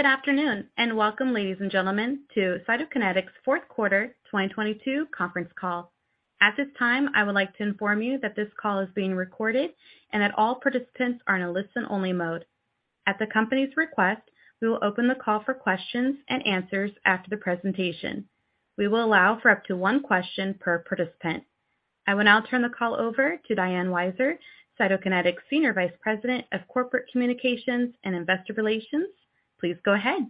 Good afternoon, welcome, ladies and gentlemen, to Cytokinetics' fourth quarter 2022 conference call. At this time, I would like to inform you that this call is being recorded and that all participants are in a listen-only mode. At the company's request, we will open the call for questions and answers after the presentation. We will allow for up to one question per participant. I will now turn the call over to Diane Weiser, Cytokinetics Senior Vice President of Corporate Communications and Investor Relations. Please go ahead.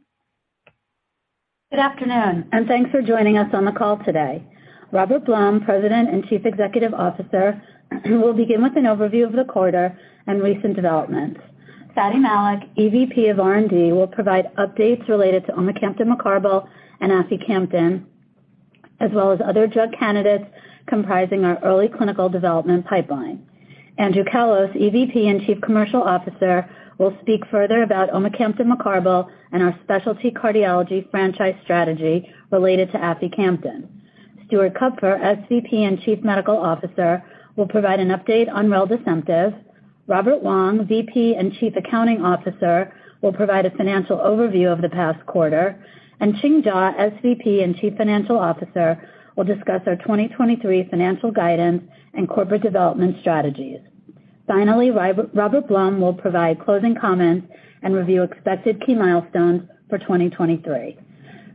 Good afternoon, and thanks for joining us on the call today. Robert I. Blum, President and Chief Executive Officer, will begin with an overview of the quarter and recent developments. Fady I. Malik, EVP of R&D, will provide updates related to omecamtiv mecarbil and aficamten, as well as other drug candidates comprising our early clinical development pipeline. Andrew Callos, EVP and Chief Commercial Officer, will speak further about omecamtiv mecarbil and our specialty cardiology franchise strategy related to aficamten. Stuart Kupfer, SVP and Chief Medical Officer, will provide an update on reldesemtiv. Robert Wong, VP and Chief Accounting Officer, will provide a financial overview of the past quarter. Ching Jaw, SVP and Chief Financial Officer, will discuss our 2023 financial guidance and corporate development strategies. Finally, Robert I. Blum will provide closing comments and review expected key milestones for 2023.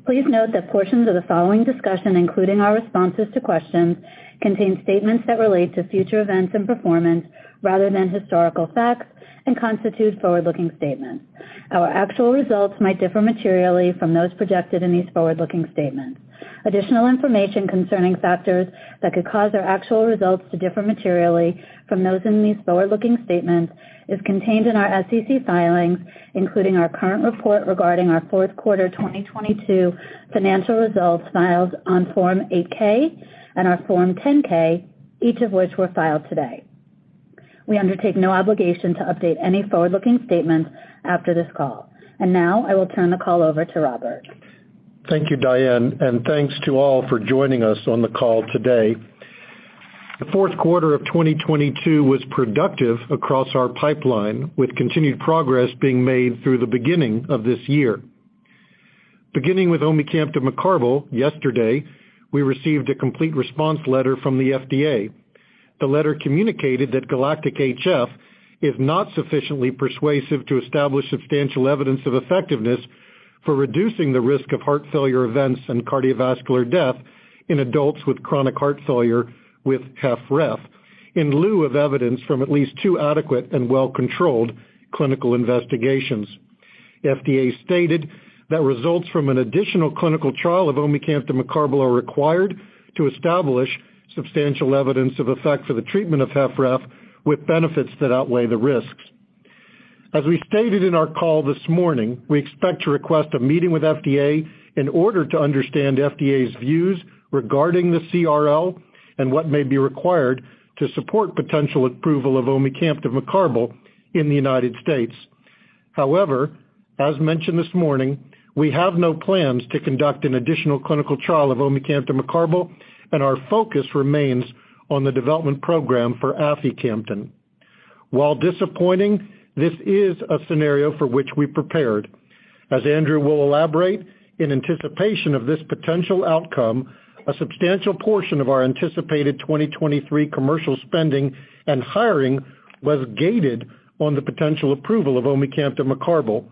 Please note that portions of the following discussion, including our responses to questions, contain statements that relate to future events and performance rather than historical facts and constitute forward-looking statements. Our actual results might differ materially from those projected in these forward-looking statements. Additional information concerning factors that could cause our actual results to differ materially from those in these forward-looking statements is contained in our SEC filings, including our current report regarding our fourth quarter 2022 financial results filed on Form 8-K and our Form 10-K, each of which were filed today. We undertake no obligation to update any forward-looking statements after this call. Now, I will turn the call over to Robert. Thank you, Diane, and thanks to all for joining us on the call today. The fourth quarter of 2022 was productive across our pipeline, with continued progress being made through the beginning of this year. Beginning with omecamtiv mecarbil, yesterday, we received a complete response letter from the FDA. The letter communicated that GALACTIC-HF is not sufficiently persuasive to establish substantial evidence of effectiveness for reducing the risk of heart failure events and cardiovascular death in adults with chronic heart failure with HFrEF in lieu of evidence from at least 2 adequate and well-controlled clinical investigations. FDA stated that results from an additional clinical trial of omecamtiv mecarbil are required to establish substantial evidence of effect for the treatment of HFrEF with benefits that outweigh the risks. As we stated in our call this morning, we expect to request a meeting with FDA in order to understand FDA's views regarding the CRL and what may be required to support potential approval of omecamtiv mecarbil in the United States. As mentioned this morning, we have no plans to conduct an additional clinical trial of omecamtiv mecarbil, and our focus remains on the development program for aficamten. While disappointing, this is a scenario for which we prepared. As Andrew will elaborate, in anticipation of this potential outcome, a substantial portion of our anticipated 2023 commercial spending and hiring was gated on the potential approval of omecamtiv mecarbil.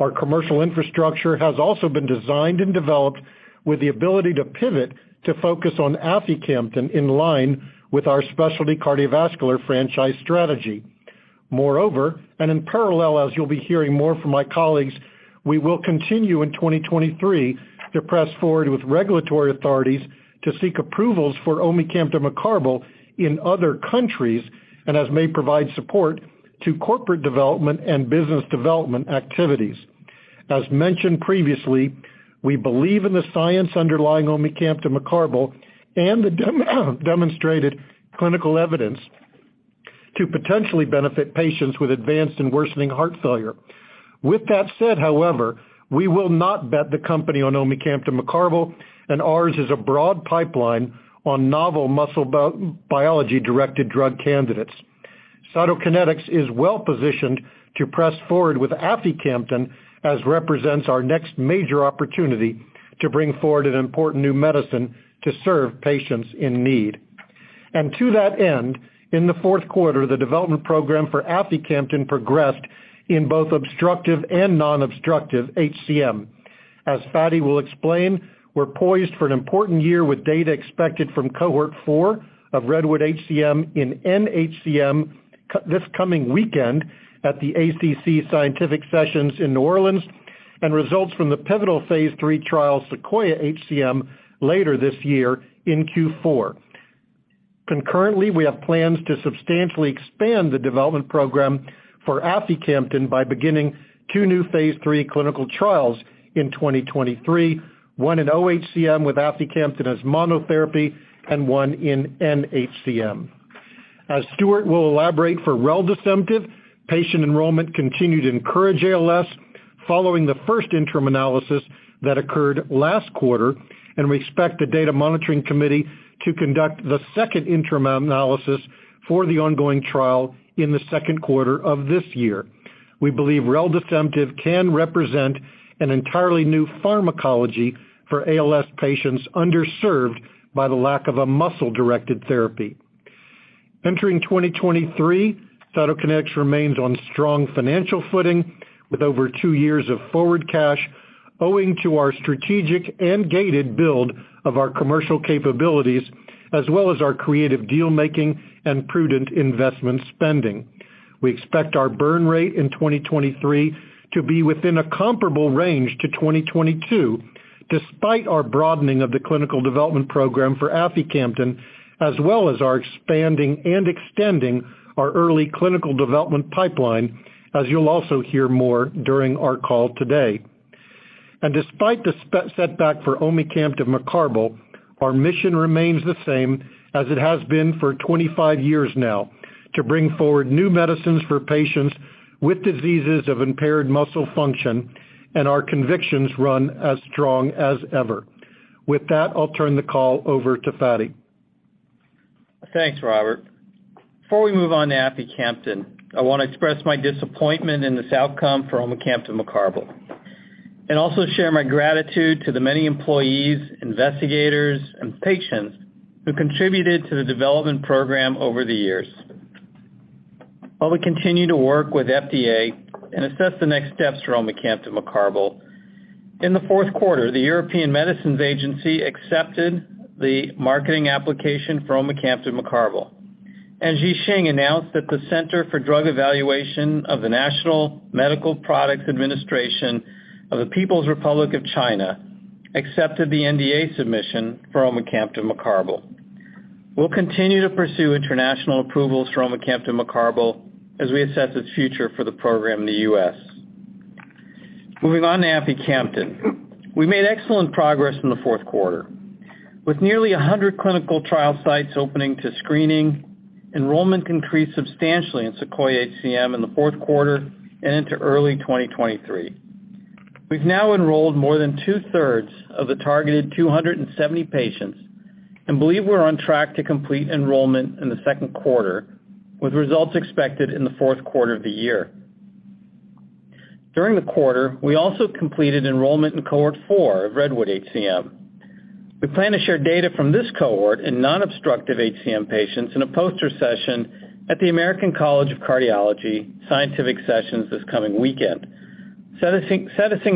Our commercial infrastructure has also been designed and developed with the ability to pivot to focus on aficamten in line with our specialty cardiovascular franchise strategy. Moreover, in parallel, as you'll be hearing more from my colleagues, we will continue in 2023 to press forward with regulatory authorities to seek approvals for omecamtiv mecarbil in other countries and as may provide support to corporate development and business development activities. As mentioned previously, we believe in the science underlying omecamtiv mecarbil and the demonstrated clinical evidence to potentially benefit patients with advanced and worsening heart failure. With that said, however, we will not bet the company on omecamtiv mecarbil, and ours is a broad pipeline on novel muscle biology-directed drug candidates. Cytokinetics is well positioned to press forward with aficamten as represents our next major opportunity to bring forward an important new medicine to serve patients in need. To that end, in the fourth quarter, the development program for aficamten progressed in both obstructive and non-obstructive HCM. As Fady will explain, we're poised for an important year with data expected from cohort 4 of REDWOOD-HCM in NHCM this coming weekend at the ACC Scientific Sessions in New Orleans, and results from the pivotal Phase 3 trial, SEQUOIA-HCM, later this year in Q4. We have plans to substantially expand the development program for aficamten by beginning 2 new Phase 3 clinical trials in 2023, 1 in OHCM with aficamten as monotherapy and 1 in NHCM. As Stuart will elaborate for reldesemtiv, patient enrollment continued in COURAGE-ALS following the 1st interim analysis that occurred last quarter, and we expect the Data Monitoring Committee to conduct the 2nd interim analysis for the ongoing trial in the second quarter of this year. We believe reldesemtiv can represent an entirely new pharmacology for ALS patients underserved by the lack of a muscle-directed therapy. Entering 2023, Cytokinetics remains on strong financial footing with over 2 years of forward cash owing to our strategic and gated build of our commercial capabilities, as well as our creative deal-making and prudent investment spending. We expect our burn rate in 2023 to be within a comparable range to 2022, despite our broadening of the clinical development program for aficamten, as well as our expanding and extending our early clinical development pipeline, as you'll also hear more during our call today. Despite the setback for omecamtiv mecarbil, our mission remains the same as it has been for 25 years now, to bring forward new medicines for patients with diseases of impaired muscle function, and our convictions run as strong as ever. With that, I'll turn the call over to Fady. Thanks, Robert. Before we move on to aficamten, I want to express my disappointment in this outcome for omecamtiv mecarbil and also share my gratitude to the many employees, investigators, and patients who contributed to the development program over the years. While we continue to work with FDA and assess the next steps for omecamtiv mecarbil, in the fourth quarter, the European Medicines Agency accepted the marketing application for omecamtiv mecarbil. Ji Xing announced that the Center for Drug Evaluation of the National Medical Products Administration of the People's Republic of China accepted the NDA submission for omecamtiv mecarbil. We'll continue to pursue international approvals for omecamtiv mecarbil as we assess its future for the program in the U.S. Moving on to aficamten. We made excellent progress in the fourth quarter. With nearly 100 clinical trial sites opening to screening, enrollment increased substantially in SEQUOIA-HCM in the fourth quarter and into early 2023. We've now enrolled more than 2/3 of the targeted 270 patients and believe we're on track to complete enrollment in the second quarter, with results expected in the fourth quarter of the year. During the quarter, we also completed enrollment in cohort 4 of REDWOOD-HCM. We plan to share data from this cohort in non-obstructive HCM patients in a poster session at the American College of Cardiology scientific sessions this coming weekend. Setting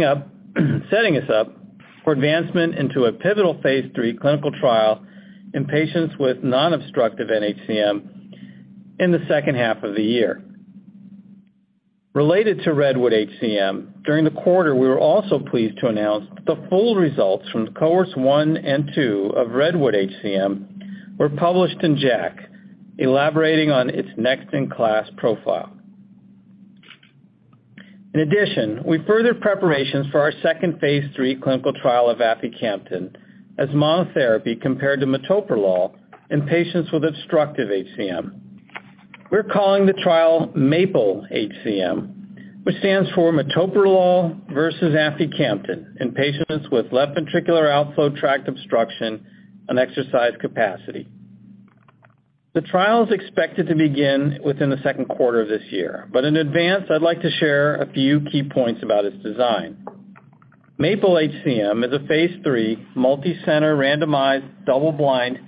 us up for advancement into a pivotal Phase 3 clinical trial in patients with non-obstructive NHCM in the second half of the year. Related to REDWOOD-HCM, during the quarter, we were also pleased to announce that the full results from cohorts 1 and 2 of REDWOOD-HCM were published in JACC, elaborating on its next in class profile. In addition, we further preparations for our second Phase 3 clinical trial of aficamten as monotherapy compared to metoprolol in patients with obstructive HCM. We're calling the trial MAPLE-HCM, which stands for Metoprolol versus Aficamten in patients with left ventricular outflow tract obstruction and exercise capacity. The trial is expected to begin within the second quarter of this year. In advance, I'd like to share a few key points about its design. MAPLE-HCM is a Phase 3, multicenter, randomized, double-blind,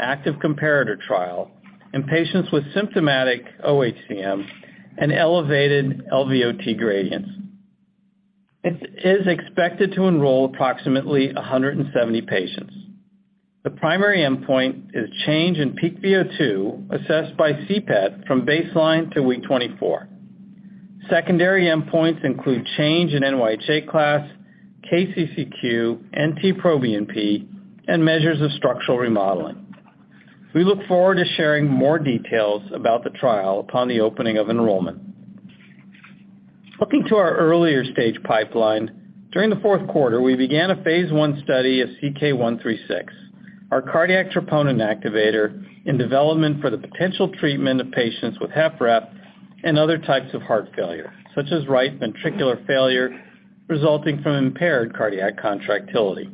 active comparator trial in patients with symptomatic OHCM and elevated LVOT gradients. It is expected to enroll approximately 170 patients. The primary endpoint is change in peak VO2 assessed by CPET from baseline to week 24. Secondary endpoints include change in NYHA class, KCCQ, NT-proBNP, and measures of structural remodeling. We look forward to sharing more details about the trial upon the opening of enrollment. Looking to our earlier stage pipeline, during the fourth quarter, we began a Phase 1 study of CK-136, our cardiac troponin activator in development for the potential treatment of patients with HFpEF and other types of heart failure, such as right ventricular failure resulting from impaired cardiac contractility.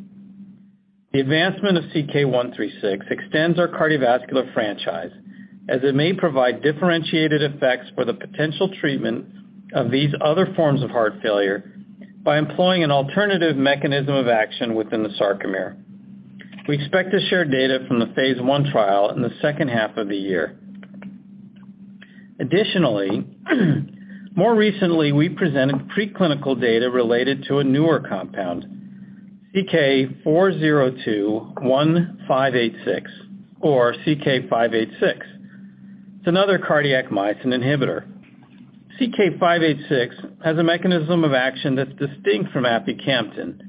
The advancement of CK-136 extends our cardiovascular franchise as it may provide differentiated effects for the potential treatment of these other forms of heart failure by employing an alternative mechanism of action within the sarcomere. We expect to share data from the Phase 1 trial in the second half of the year. Additionally, more recently, we presented preclinical data related to a newer compound, CK-4021586 or CK-586. It's another cardiac myosin inhibitor. CK-586 has a mechanism of action that's distinct from aficamten,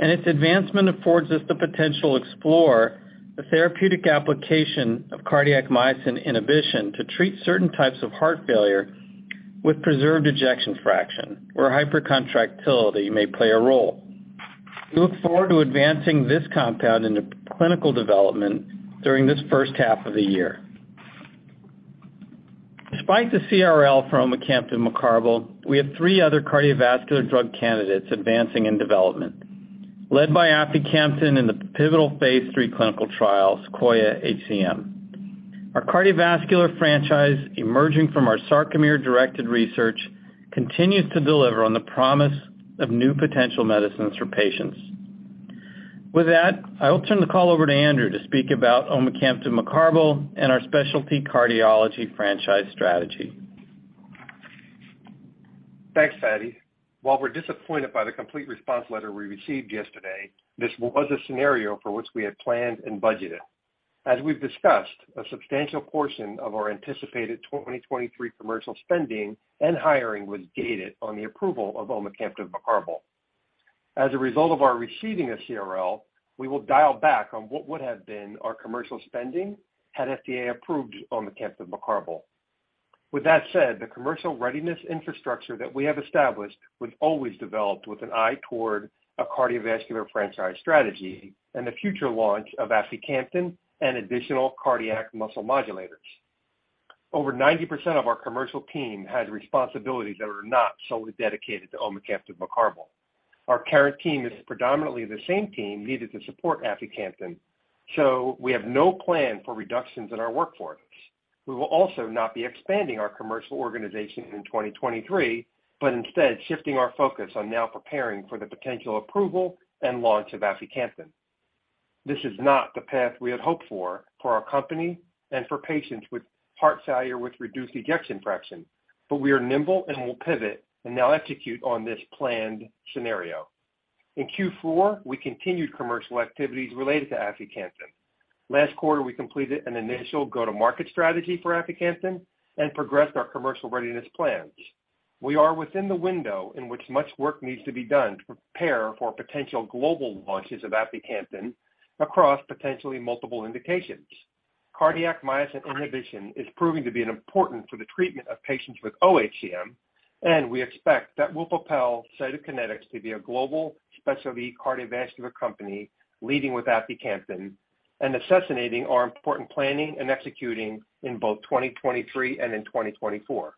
and its advancement affords us the potential to explore the therapeutic application of cardiac myosin inhibition to treat certain types of heart failure with preserved ejection fraction where hypercontractility may play a role. We look forward to advancing this compound into clinical development during this first half of the year. Despite the CRL for omecamtiv mecarbil, we have three other cardiovascular drug candidates advancing in development, led by aficamten in the pivotal Phase 3 clinical trial, SEQUOIA-HCM. Our cardiovascular franchise emerging from our sarcomere-directed research continues to deliver on the promise of new potential medicines for patients. With that, I will turn the call over to Andrew to speak about omecamtiv mecarbil and our specialty cardiology franchise strategy. Thanks, Fady. While we're disappointed by the complete response letter we received yesterday, this was a scenario for which we had planned and budgeted. As we've discussed, a substantial portion of our anticipated 2023 commercial spending and hiring was gated on the approval of omecamtiv mecarbil. As a result of our receiving a CRL, we will dial back on what would have been our commercial spending had FDA approved omecamtiv mecarbil. With that said, the commercial readiness infrastructure that we have established was always developed with an eye toward a cardiovascular franchise strategy and the future launch of aficamten and additional cardiac muscle modulators. Over 90% of our commercial team has responsibilities that are not solely dedicated to omecamtiv mecarbil. Our current team is predominantly the same team needed to support aficamten, so we have no plan for reductions in our workforce. We will also not be expanding our commercial organization in 2023, instead shifting our focus on now preparing for the potential approval and launch of aficamten. This is not the path we had hoped for for our company and for patients with heart failure with reduced ejection fraction. We are nimble and will pivot and now execute on this planned scenario. In Q4, we continued commercial activities related to aficamten. Last quarter, we completed an initial go-to-market strategy for aficamten and progressed our commercial readiness plans. We are within the window in which much work needs to be done to prepare for potential global launches of aficamten across potentially multiple indications. Cardiac myosin inhibition is proving to be important for the treatment of patients with OHCM. We expect that will propel Cytokinetics to be a global specialty cardiovascular company, leading with aficamten and accelerating our important planning and executing in both 2023 and in 2024.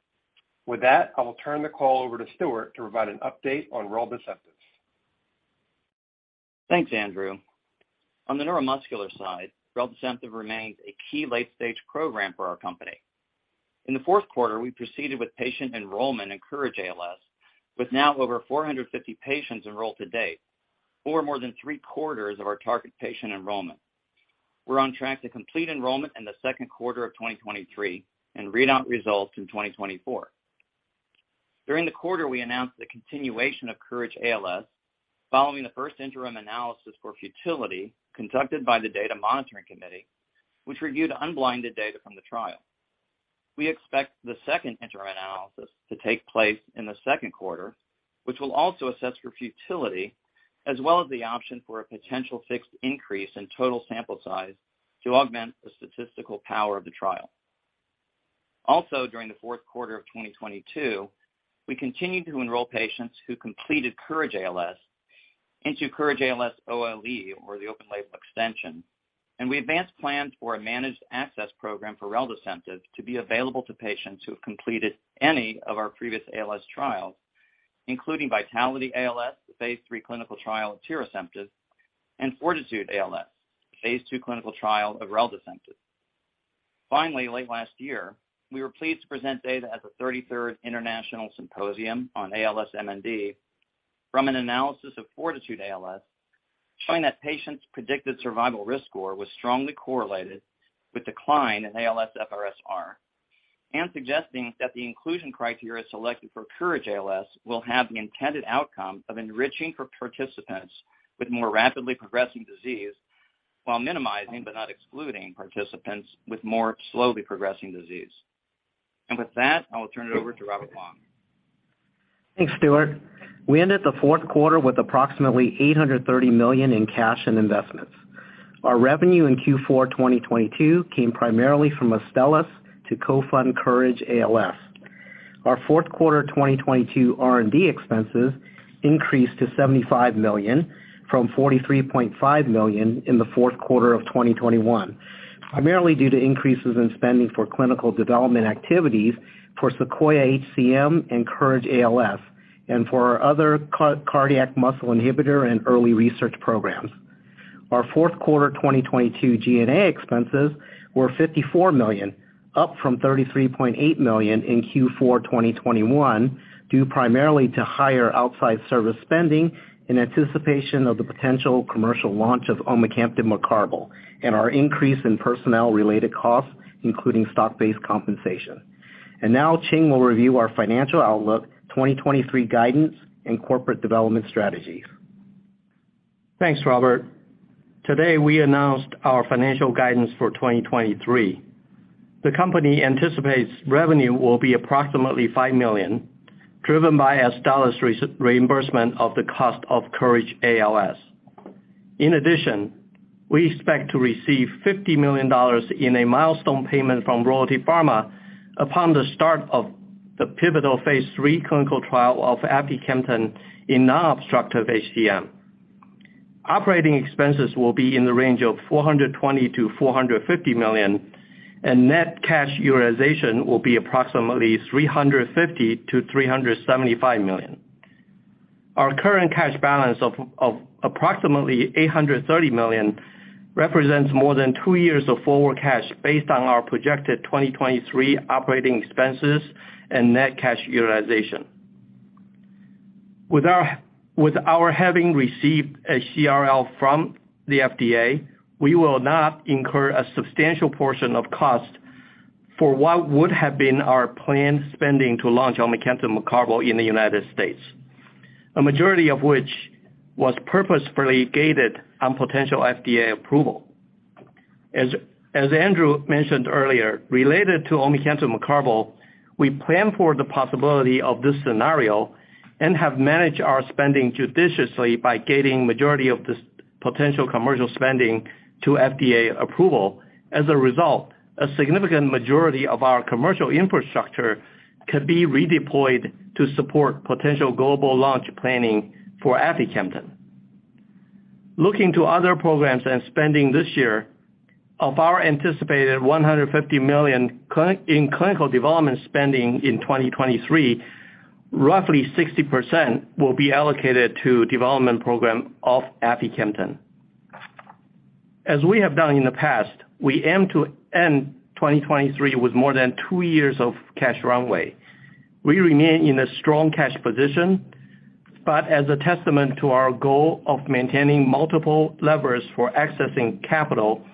With that, I will turn the call over to Stuart to provide an update on reldesemtiv. Thanks, Andrew. On the neuromuscular side, reldesemtiv remains a key late-stage program for our company. In the fourth quarter, we proceeded with patient enrollment in COURAGE-ALS, with now over 450 patients enrolled to date, or more than three-quarters of our target patient enrollment. We're on track to complete enrollment in the second quarter of 2023 and read out results in 2024. During the quarter, we announced the continuation of COURAGE-ALS following the first interim analysis for futility conducted by the Data Monitoring Committee, which reviewed unblinded data from the trial. We expect the second interim analysis to take place in the second quarter, which will also assess for futility, as well as the option for a potential fixed increase in total sample size to augment the statistical power of the trial. Also, during the 4th quarter of 2022, we continued to enroll patients who completed COURAGE-ALS into COURAGE-ALS OLE, or the open-label extension, and we advanced plans for a managed access program for reldesemtiv to be available to patients who have completed any of our previous ALS trials, including VITALITY-ALS, the Phase 3a clinical trial of tirasemtiv, and FORTITUDE-ALS, the Phase 2 clinical trial of reldesemtiv. Finally, late last year, we were pleased to present data at the 33rd International Symposium on ALS/MND from an analysis of FORTITUDE-ALS showing that patients' predicted survival risk score was strongly correlated with decline in ALSFRS-R. Suggesting that the inclusion criteria selected for COURAGE-ALS will have the intended outcome of enriching for participants with more rapidly progressing disease while minimizing, but not excluding, participants with more slowly progressing disease. With that, I will turn it over to Robert I. Blum. Thanks, Stuart. We ended the fourth quarter with approximately $830 million in cash and investments. Our revenue in Q4 2022 came primarily from Astellas to co-fund COURAGE-ALS. Our fourth quarter 2022 R&D expenses increased to $75 million from $43.5 million in the fourth quarter of 2021, primarily due to increases in spending for clinical development activities for SEQUOIA-HCM and COURAGE-ALS and for our other cardiac myosin inhibitor and early research programs. Our fourth quarter 2022 G&A expenses were $54 million, up from $33.8 million in Q4 2021, due primarily to higher outside service spending in anticipation of the potential commercial launch of omecamtiv mecarbil and our increase in personnel-related costs, including stock-based compensation. Now Ching will review our financial outlook, 2023 guidance, and corporate development strategies. Thanks, Robert. Today, we announced our financial guidance for 2023. The company anticipates revenue will be approximately $5 million, driven by Astellas reimbursement of the cost of COURAGE-ALS. We expect to receive $50 million in a milestone payment from Royalty Pharma upon the start of the pivotal Phase 3 clinical trial of aficamten in non-obstructive HCM. Operating expenses will be in the range of $420 million-$450 million, and net cash utilization will be approximately $350 million-$375 million. Our current cash balance of approximately $830 million represents more than 2 years of forward cash based on our projected 2023 operating expenses and net cash utilization. With our having received a CRL from the FDA, we will not incur a substantial portion of cost for what would have been our planned spending to launch omecamtiv mecarbil in the United States, a majority of which was purposefully gated on potential FDA approval. As Andrew mentioned earlier, related to omecamtiv mecarbil, we plan for the possibility of this scenario and have managed our spending judiciously by gating majority of this potential commercial spending to FDA approval. As a result, a significant majority of our commercial infrastructure could be redeployed to support potential global launch planning for aficamten. Looking to other programs and spending this year, of our anticipated $150 million clinical development spending in 2023, roughly 60% will be allocated to development program of aficamten. As we have done in the past, we aim to end 2023 with more than 2 years of cash runway. We remain in a strong cash position, but as a testament to our goal of maintaining multiple levers for accessing capital,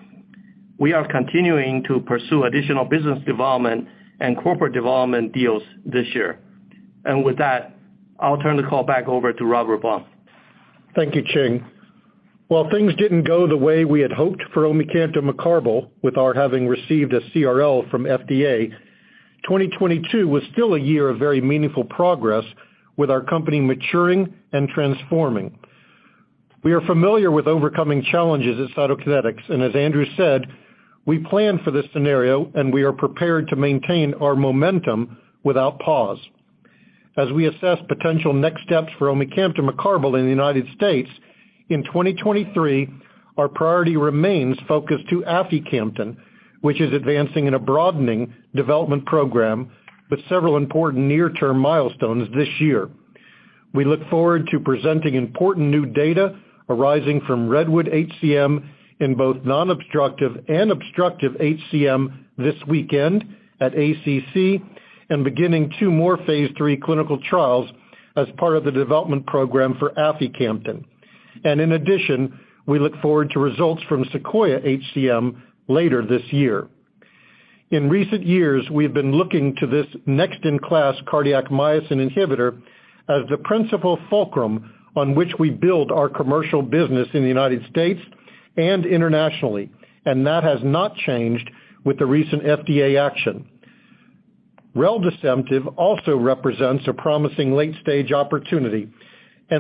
we are continuing to pursue additional business development and corporate development deals this year. With that, I'll turn the call back over to Robert I. Blum. Thank you, Ching. While things didn't go the way we had hoped for omecamtiv mecarbil, with our having received a CRL from FDA, 2022 was still a year of very meaningful progress with our company maturing and transforming. We are familiar with overcoming challenges at Cytokinetics, as Andrew said, we plan for this scenario, and we are prepared to maintain our momentum without pause. As we assess potential next steps for omecamtiv mecarbil in the United States, in 2023, our priority remains focused to aficamten, which is advancing in a broadening development program with several important near-term milestones this year. We look forward to presenting important new data arising from REDWOOD-HCM in both non-obstructive and obstructive HCM this weekend at ACC beginning 2 more Phase 3 clinical trials as part of the development program for aficamten. In addition, we look forward to results from SEQUOIA-HCM later this year. In recent years, we've been looking to this next-in-class cardiac myosin inhibitor as the principal fulcrum on which we build our commercial business in the United States and internationally. That has not changed with the recent FDA action. Reldesemtiv also represents a promising late-stage opportunity.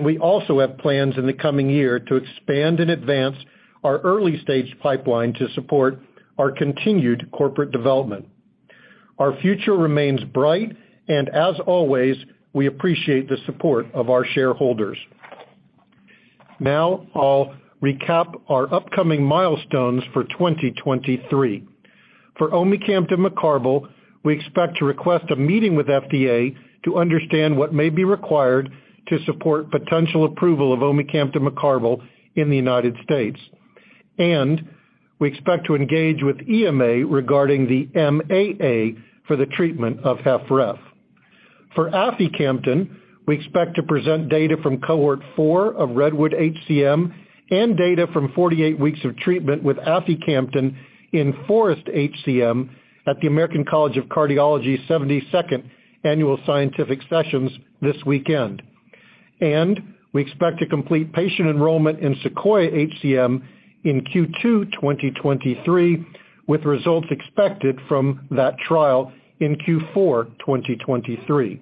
We also have plans in the coming year to expand and advance our early-stage pipeline to support our continued corporate development. Our future remains bright. As always, we appreciate the support of our shareholders. Now I'll recap our upcoming milestones for 2023. For omecamtiv mecarbil, we expect to request a meeting with FDA to understand what may be required to support potential approval of omecamtiv mecarbil in the United States. We expect to engage with EMA regarding the MAA for the treatment of HFrEF. For aficamten, we expect to present data from cohort 4 of REDWOOD-HCM and data from 48 weeks of treatment with aficamten in FOREST-HCM at the American College of Cardiology 72nd annual scientific sessions this weekend. We expect to complete patient enrollment in SEQUOIA-HCM in Q2 2023, with results expected from that trial in Q4 2023.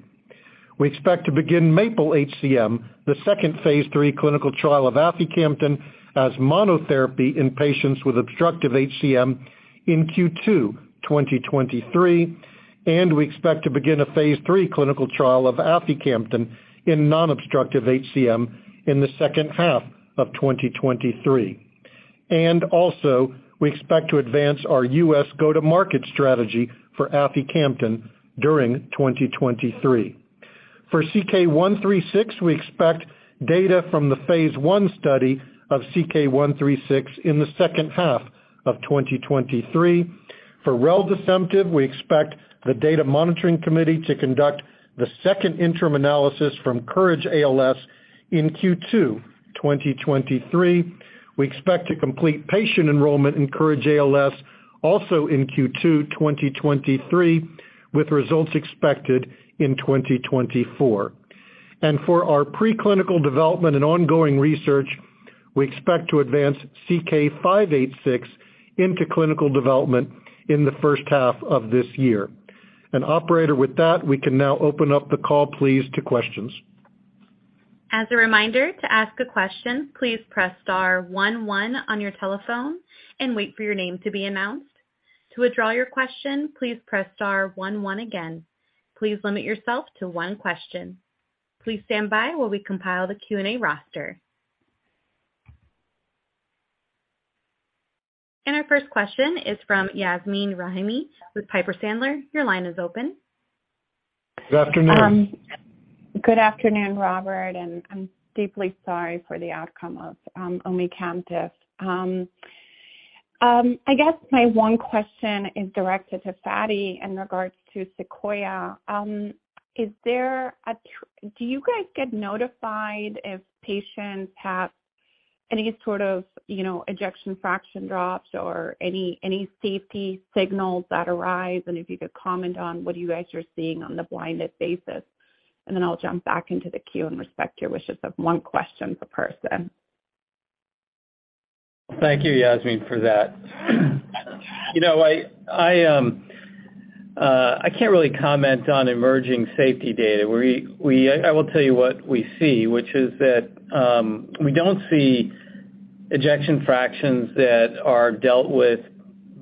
We expect to begin MAPLE-HCM, the second Phase 3 clinical trial of aficamten as monotherapy in patients with obstructive HCM in Q2 2023, and we expect to begin a Phase 3 clinical trial of aficamten in non-obstructive HCM in the second half of 2023. Also, we expect to advance our U.S. go-to-market strategy for aficamten during 2023. For CK-136, we expect data from the Phase 1 study of CK-136 in the second half of 2023. For reldesemtiv, we expect the Data Monitoring Committee to conduct the second interim analysis from COURAGE-ALS in Q2 2023. We expect to complete patient enrollment in COURAGE-ALS also in Q2 2023, with results expected in 2024. For our preclinical development and ongoing research, we expect to advance CK-586 into clinical development in the first half of this year. Operator, with that, we can now open up the call please to questions. As a reminder, to ask a question, please press star one one on your telephone and wait for your name to be announced. To withdraw your question, please press star one one again. Please limit yourself to one question. Please stand by while we compile the Q&A roster. Our first question is from Yasmeen Rahimi with Piper Sandler. Your line is open. Good afternoon. Good afternoon, Robert, I'm deeply sorry for the outcome of omecamtiv. I guess my one question is directed to Fady in regards to SEQUOIA. Do you guys get notified if patients have any sort of, you know, ejection fraction drops or any safety signals that arise? If you could comment on what you guys are seeing on the blinded basis. Then I'll jump back into the queue and respect your wishes of one question per person. Thank you, Yasmeen, for that. You know, I can't really comment on emerging safety data. I will tell you what we see, which is that, we don't see ejection fractions that are dealt with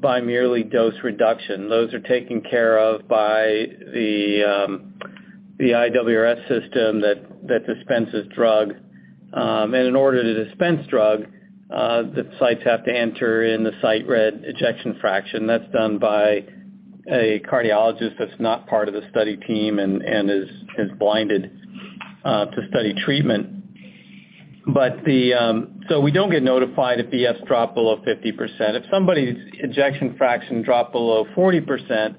by merely dose reduction. Those are taken care of by the IWR system that dispenses drug. And in order to dispense drug, the sites have to enter in the site read ejection fraction. That's done by a cardiologist that's not part of the study team and is blinded to study treatment. We don't get notified if the F drop below 50%. If somebody's ejection fraction dropped below 40%,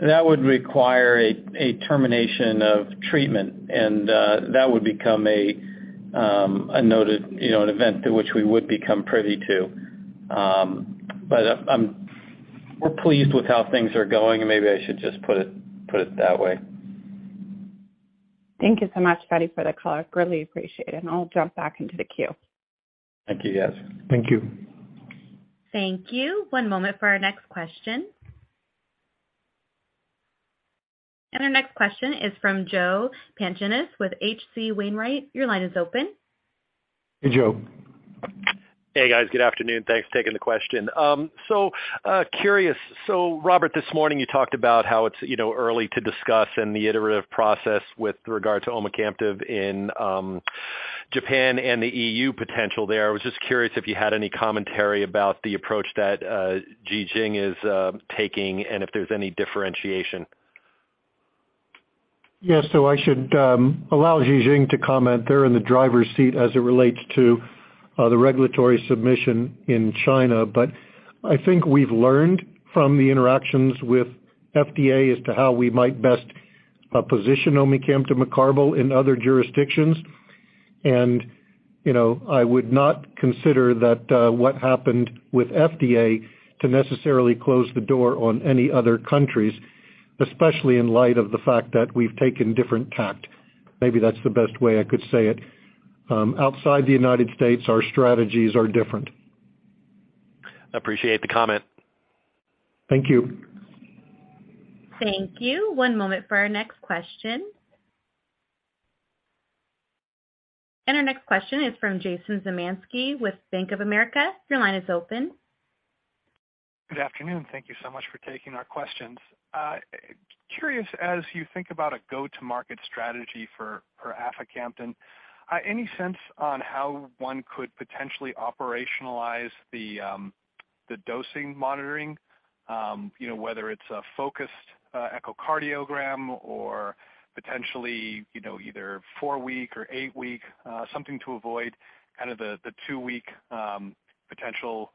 that would require a termination of treatment, and that would become a noted, you know, an event to which we would become privy to. We're pleased with how things are going, and maybe I should just put it that way. Thank you so much, Fady, for the color. Greatly appreciate it. I'll jump back into the queue. Thank you, Yas. Thank you. Thank you. One moment for our next question. Our next question is from Joe Pantginis with H.C. Wainwright. Your line is open. Hey, Joe. Hey, guys. Good afternoon. Thanks for taking the question. Curious. Robert I. Blum, this morning you talked about how it's, you know, early to discuss and the iterative process with regard to omecamtiv in Japan and the EU potential there. I was just curious if you had any commentary about the approach that Ji Xing is taking and if there's any differentiation. Yes. I should allow Ji Xing to comment. They're in the driver's seat as it relates to the regulatory submission in China. I think we've learned from the interactions with FDA as to how we might best position omecamtiv mecarbil in other jurisdictions. You know, I would not consider that what happened with FDA to necessarily close the door on any other countries, especially in light of the fact that we've taken different tact. Maybe that's the best way I could say it. Outside the United States, our strategies are different. Appreciate the comment. Thank you. Thank you. One moment for our next question. Our next question is from Jason Zemansky with Bank of America. Your line is open. Good afternoon. Thank you so much for taking our questions. Curious, as you think about a go-to-market strategy for aficamten, any sense on how one could potentially operationalize the dosing monitoring, you know, whether it's a focused echocardiogram or potentially, you know, either 4-week or 8-week, something to avoid kind of the 2-week potential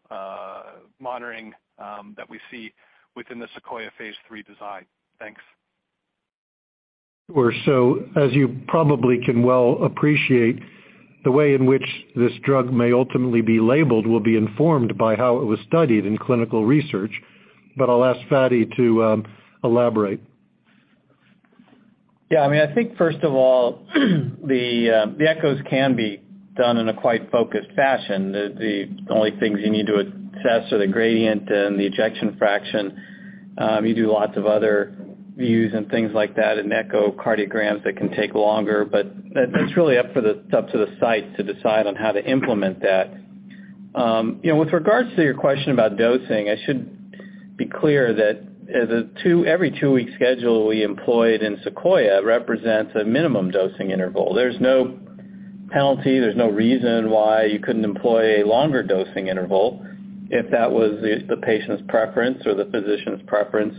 monitoring that we see within the SEQUOIA Phase 3 design? Thanks. Sure. As you probably can well appreciate, the way in which this drug may ultimately be labeled will be informed by how it was studied in clinical research. I'll ask Fady to elaborate. I mean, I think first of all, the echoes can be done in a quite focused fashion. The only things you need to assess are the gradient and the ejection fraction. You do lots of other views and things like that in echocardiograms that can take longer, but that's really up to the site to decide on how to implement that. You know, with regards to your question about dosing, I should be clear that every 2 week schedule we employed in SEQUOIA represents a minimum dosing interval. There's no penalty, there's no reason why you couldn't employ a longer dosing interval if that was the patient's preference or the physician's preference.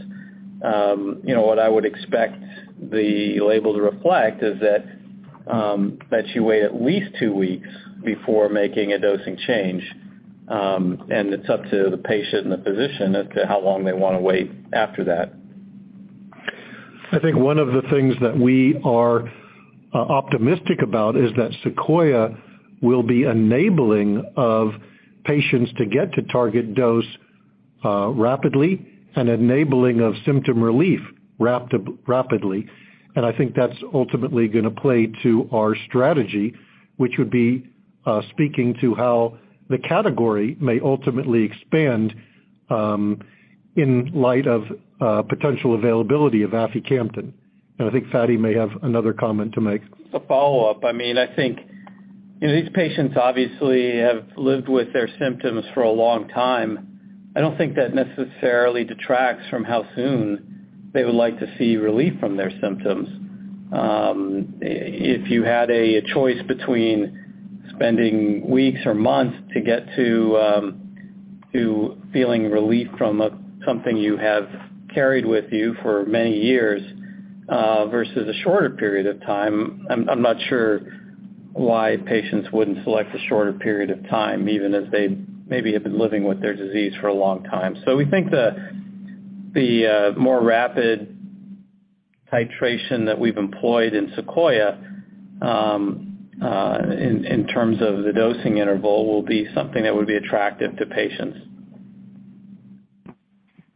You know, what I would expect the label to reflect is that you wait at least 2 weeks before making a dosing change. It's up to the patient and the physician as to how long they wanna wait after that. I think one of the things that we are optimistic about is that SEQUOIA will be enabling of patients to get to target dose rapidly and enabling of symptom relief rapidly. I think that's ultimately gonna play to our strategy, which would be speaking to how the category may ultimately expand in light of potential availability of aficamten. I think Fady may have another comment to make. A follow-up. I mean, I think, you know, these patients obviously have lived with their symptoms for a long time. I don't think that necessarily detracts from how soon they would like to see relief from their symptoms. If you had a choice between spending weeks or months to get to feeling relief from a something you have carried with you for many years, versus a shorter period of time, I'm not sure why patients wouldn't select the shorter period of time, even as they maybe have been living with their disease for a long time. We think the more rapid titration that we've employed in SEQUOIA-HCM, in terms of the dosing interval, will be something that would be attractive to patients.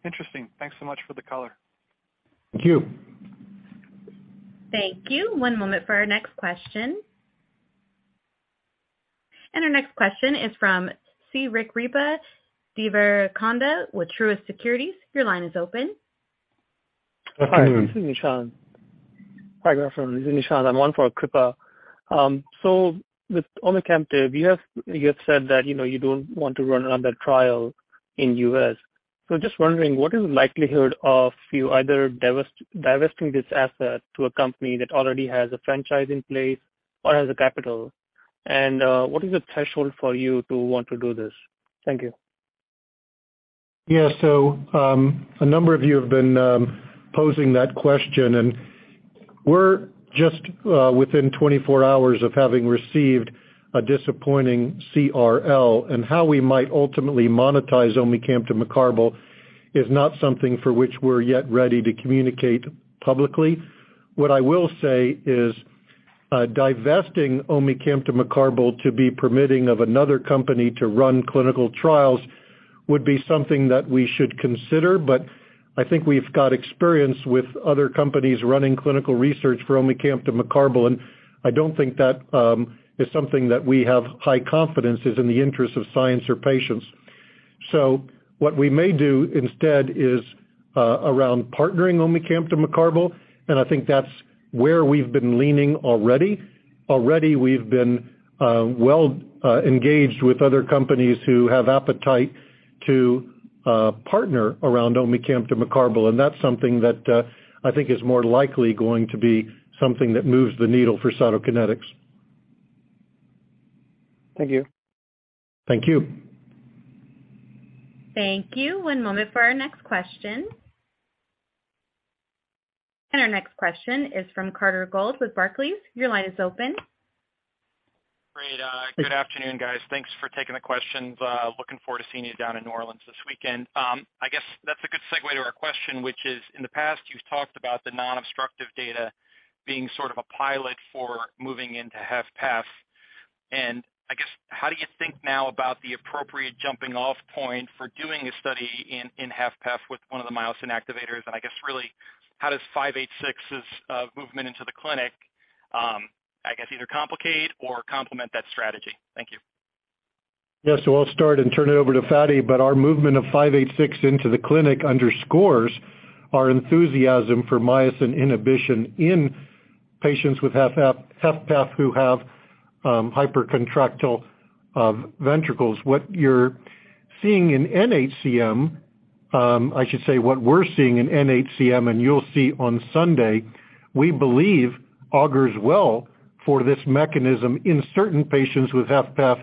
Interesting. Thanks so much for the color. Thank you. Thank you. One moment for our next question. Our next question is from Srikripa Devarakonda with Truist Securities. Your line is open. Good afternoon. Hi, this is Nishant. Hi, Graham. This is Nishant. I'm on for Kripa. With omecamtiv, you have said that, you know, you don't want to run another trial in U.S. Just wondering, what is the likelihood of you either divesting this asset to a company that already has a franchise in place or has the capital? What is the threshold for you to want to do this? Thank you. Yeah. A number of you have been posing that question, we're just within 24 hours of having received a disappointing CRL. How we might ultimately monetize omecamtiv mecarbil is not something for which we're yet ready to communicate publicly. What I will say is, divesting omecamtiv mecarbil to be permitting of another company to run clinical trials would be something that we should consider. I think we've got experience with other companies running clinical research for omecamtiv mecarbil, I don't think that is something that we have high confidence is in the interest of science or patients. What we may do instead is around partnering omecamtiv mecarbil, I think that's where we've been leaning already. Already, we've been, well, engaged with other companies who have appetite to partner around omecamtiv mecarbil, and that's something that, I think is more likely going to be something that moves the needle for Cytokinetics. Thank you. Thank you. Thank you. One moment for our next question. Our next question is from Carter Gould with Barclays. Your line is open. Great. Good afternoon, guys. Thanks for taking the questions. Looking forward to seeing you down in New Orleans this weekend. I guess that's a good segue to our question, which is, in the past, you've talked about the non-obstructive data being sort of a pilot for moving into HFpEF. How do you think now about the appropriate jumping-off point for doing a study in HFpEF with one of the myosin activators? Really, how does 586's movement into the clinic, I guess either complicate or complement that strategy? Thank you. Yeah. I'll start and turn it over to Fady. Our movement of 586 into the clinic underscores our enthusiasm for myosin inhibition in patients with HFpEF who have hypercontractile ventricles. What you're seeing in NHCM, I should say what we're seeing in NHCM, you'll see on Sunday, we believe augurs well for this mechanism in certain patients with HFpEF,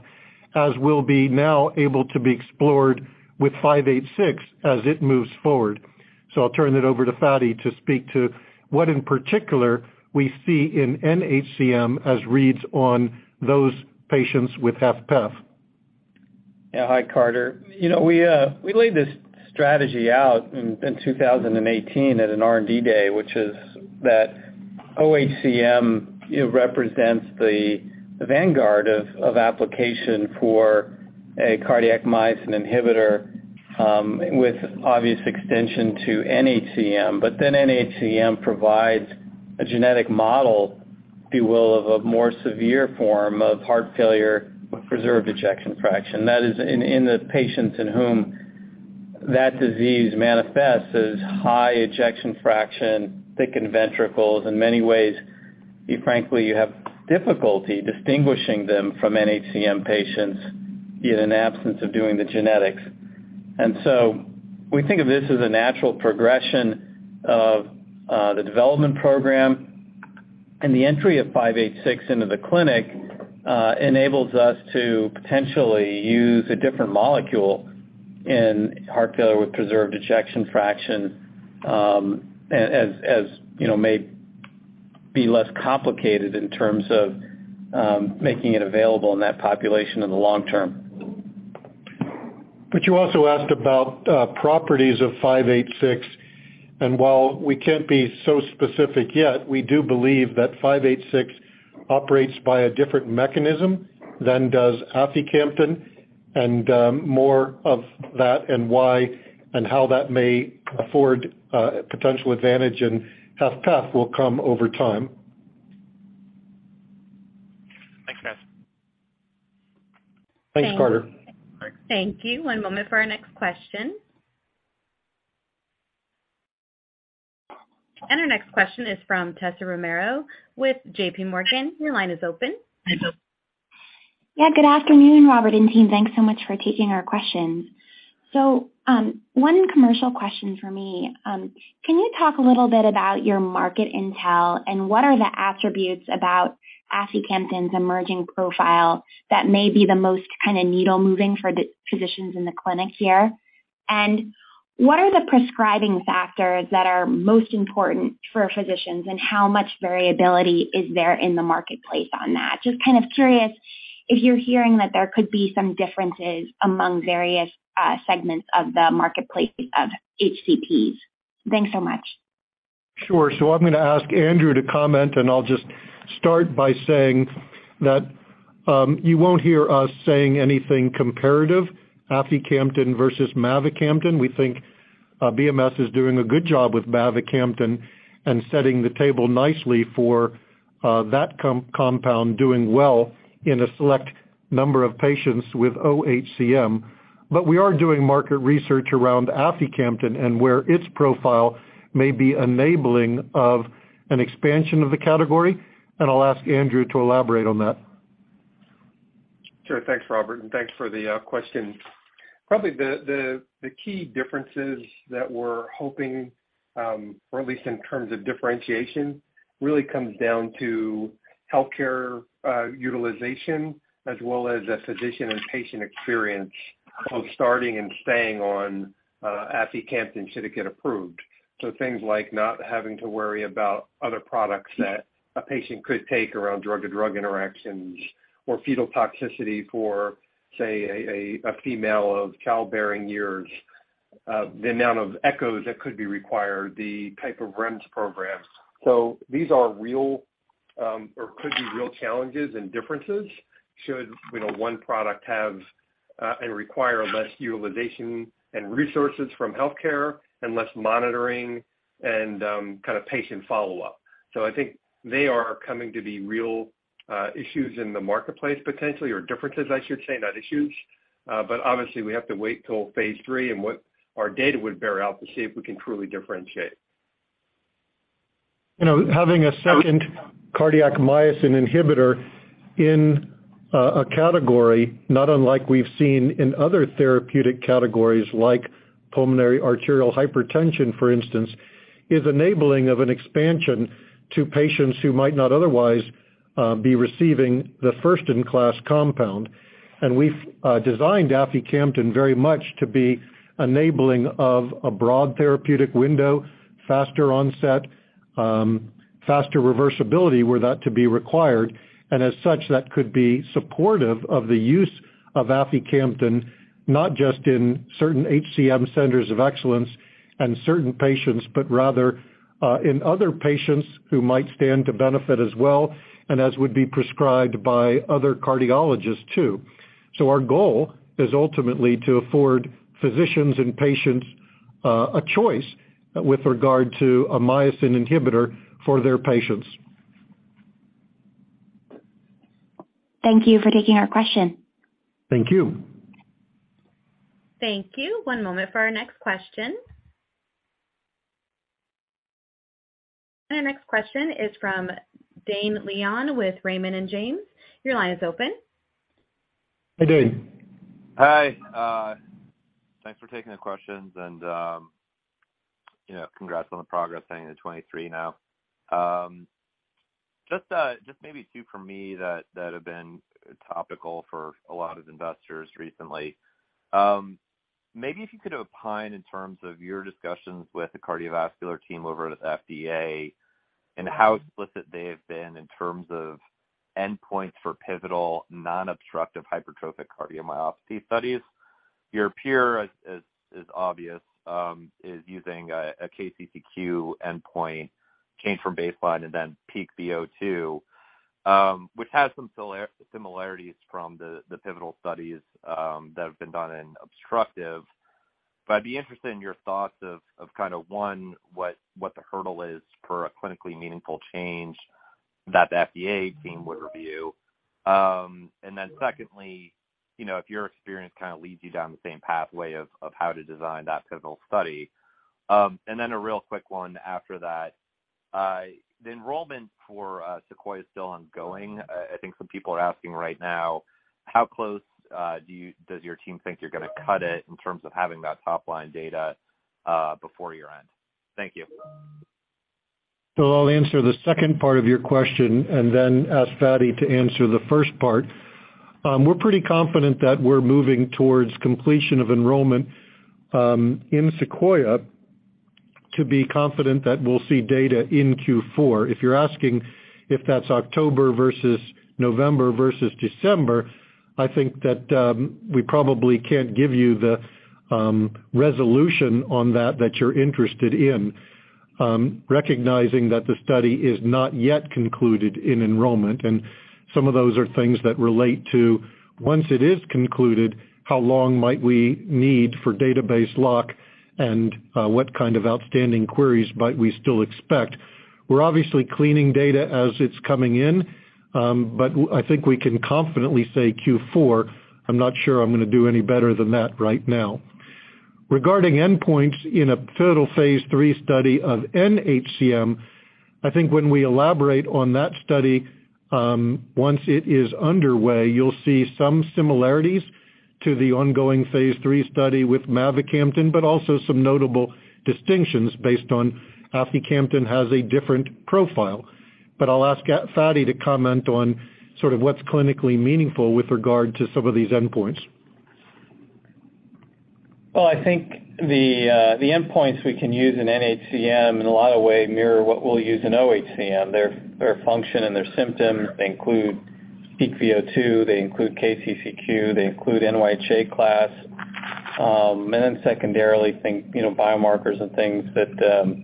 as will be now able to be explored with 586 as it moves forward. I'll turn it over to Fady to speak to what in particular we see in NHCM as reads on those patients with HFpEF. Yeah. Hi, Carter. You know, we laid this strategy out in 2018 at an R&D day, which is that OHCM, it represents the vanguard of application for a cardiac myosin inhibitor, with obvious extension to NHCM. NHCM provides a genetic model, if you will, of a more severe form of heart failure with preserved ejection fraction. That is in the patients in whom that disease manifests as high ejection fraction, thickened ventricles. In many ways, you frankly, you have difficulty distinguishing them from NHCM patients in an absence of doing the genetics. We think of this as a natural progression of the development program. The entry of 586 into the clinic, enables us to potentially use a different molecule in heart failure with preserved ejection fraction, as, you know, may be less complicated in terms of, making it available in that population in the long term. You also asked about properties of 586, and while we can't be so specific yet, we do believe that 586 operates by a different mechanism than does aficamten, and more of that and why and how that may afford a potential advantage in HFpEF will come over time. Thanks, guys. Thanks, Carter. Thank you. Thank you. One moment for our next question. Our next question is from Tessa Romero with JPMorgan. Your line is open. Yeah. Good afternoon, Robert and team. Thanks so much for taking our questions. One commercial question for me. Can you talk a little bit about your market intel and what are the attributes about aficamten's emerging profile that may be the most kinda needle moving for the physicians in the clinic here? What are the prescribing factors that are most important for physicians, and how much variability is there in the marketplace on that? Kind of curious if you're hearing that there could be some differences among various segments of the marketplace of HCPs. Thanks so much. Sure. I'm gonna ask Andrew to comment, and I'll just start by saying that, you won't hear us saying anything comparative aficamten versus mavacamten. We think BMS is doing a good job with mavacamten and setting the table nicely for that compound doing well in a select number of patients with OHCM. We are doing market research around aficamten and where its profile may be enabling of an expansion of the category. I'll ask Andrew to elaborate on that. Sure. Thanks, Robert, and thanks for the question. Probably the key differences that we're hoping or at least in terms of differentiation, really comes down to healthcare utilization as well as a physician and patient experience of starting and staying on aficamten should it get approved. Things like not having to worry about other products that a patient could take around drug-to-drug interactions or fetal toxicity for, say, a female of childbearing years, the amount of echoes that could be required, the type of REMS programs. These are real or could be real challenges and differences should, you know, one product have and require less utilization and resources from healthcare and less monitoring and kind of patient follow-up. I think they are coming to be real issues in the marketplace potentially, or differences I should say, not issues. But obviously we have to wait till Phase 3 and what our data would bear out to see if we can truly differentiate. You know, having a second cardiac myosin inhibitor in a category not unlike we've seen in other therapeutic categories like pulmonary arterial hypertension, for instance, is enabling of an expansion to patients who might not otherwise be receiving the first-in-class compound. We've designed aficamten very much to be enabling of a broad therapeutic window, faster onset, faster reversibility were that to be required. As such, that could be supportive of the use of aficamten, not just in certain HCM centers of excellence and certain patients, but rather in other patients who might stand to benefit as well, and as would be prescribed by other cardiologists too. Our goal is ultimately to afford physicians and patients a choice with regard to a myosin inhibitor for their patients. Thank you for taking our question. Thank you. Thank you. One moment for our next question. Our next question is from Dane Leone with Raymond James. Your line is open. Hi, Dane. Hi. Thanks for taking the questions, you know, congrats on the progress hanging to 23 now. Just maybe 2 for me that have been topical for a lot of investors recently. Maybe if you could opine in terms of your discussions with the cardiovascular team over at FDA and how explicit they have been in terms of endpoints for pivotal non-obstructive hypertrophic cardiomyopathy studies. Your peer, as obvious, is using a KCCQ endpoint change from baseline and then peak VO2, which has some similarities from the pivotal studies that have been done in obstructive. I'd be interested in your thoughts of kinda, 1, what the hurdle is for a clinically meaningful change that the FDA team would review. Secondly, you know, if your experience kinda leads you down the same pathway of how to design that pivotal study. A real quick one after that. The enrollment for SEQUOIA is still ongoing. I think some people are asking right now, how close does your team think you're gonna cut it in terms of having that top line data before year-end? Thank you. I'll answer the second part of your question and then ask Fady to answer the first part. We're pretty confident that we're moving towards completion of enrollment in SEQUOIA to be confident that we'll see data in Q4. If you're asking if that's October versus November versus December, I think that we probably can't give you the resolution on that you're interested in, recognizing that the study is not yet concluded in enrollment. Some of those are things that relate to, once it is concluded, how long might we need for database lock and what kind of outstanding queries might we still expect. We're obviously cleaning data as it's coming in, but I think we can confidently say Q4. I'm not sure I'm gonna do any better than that right now. Regarding endpoints in a pivotal Phase 3 study of NHCM, I think when we elaborate on that study, once it is underway, you'll see some similarities to the ongoing Phase 3 study with mavacamten, but also some notable distinctions based on aficamten has a different profile. I'll ask Fady to comment on sort of what's clinically meaningful with regard to some of these endpoints. I think the endpoints we can use in NHCM in a lot of way mirror what we'll use in OHCM. Their function and their symptom include peak VO2, they include KCCQ, they include NYHA class, and then secondarily think, you know, biomarkers and things that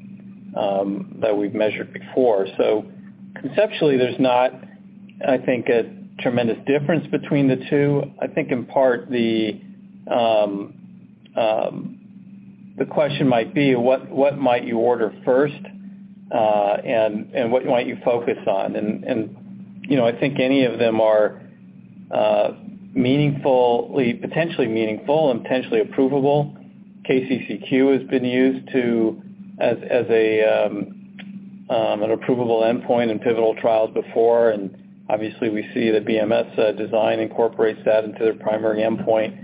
we've measured before. Conceptually, there's not, I think, a tremendous difference between the 2. I think in part the question might be, what might you order first, and what might you focus on? You know, I think any of them are meaningfully, potentially meaningful and potentially approvable. KCCQ has been used as an approvable endpoint in pivotal trials before, and obviously we see that BMS design incorporates that into their primary endpoint,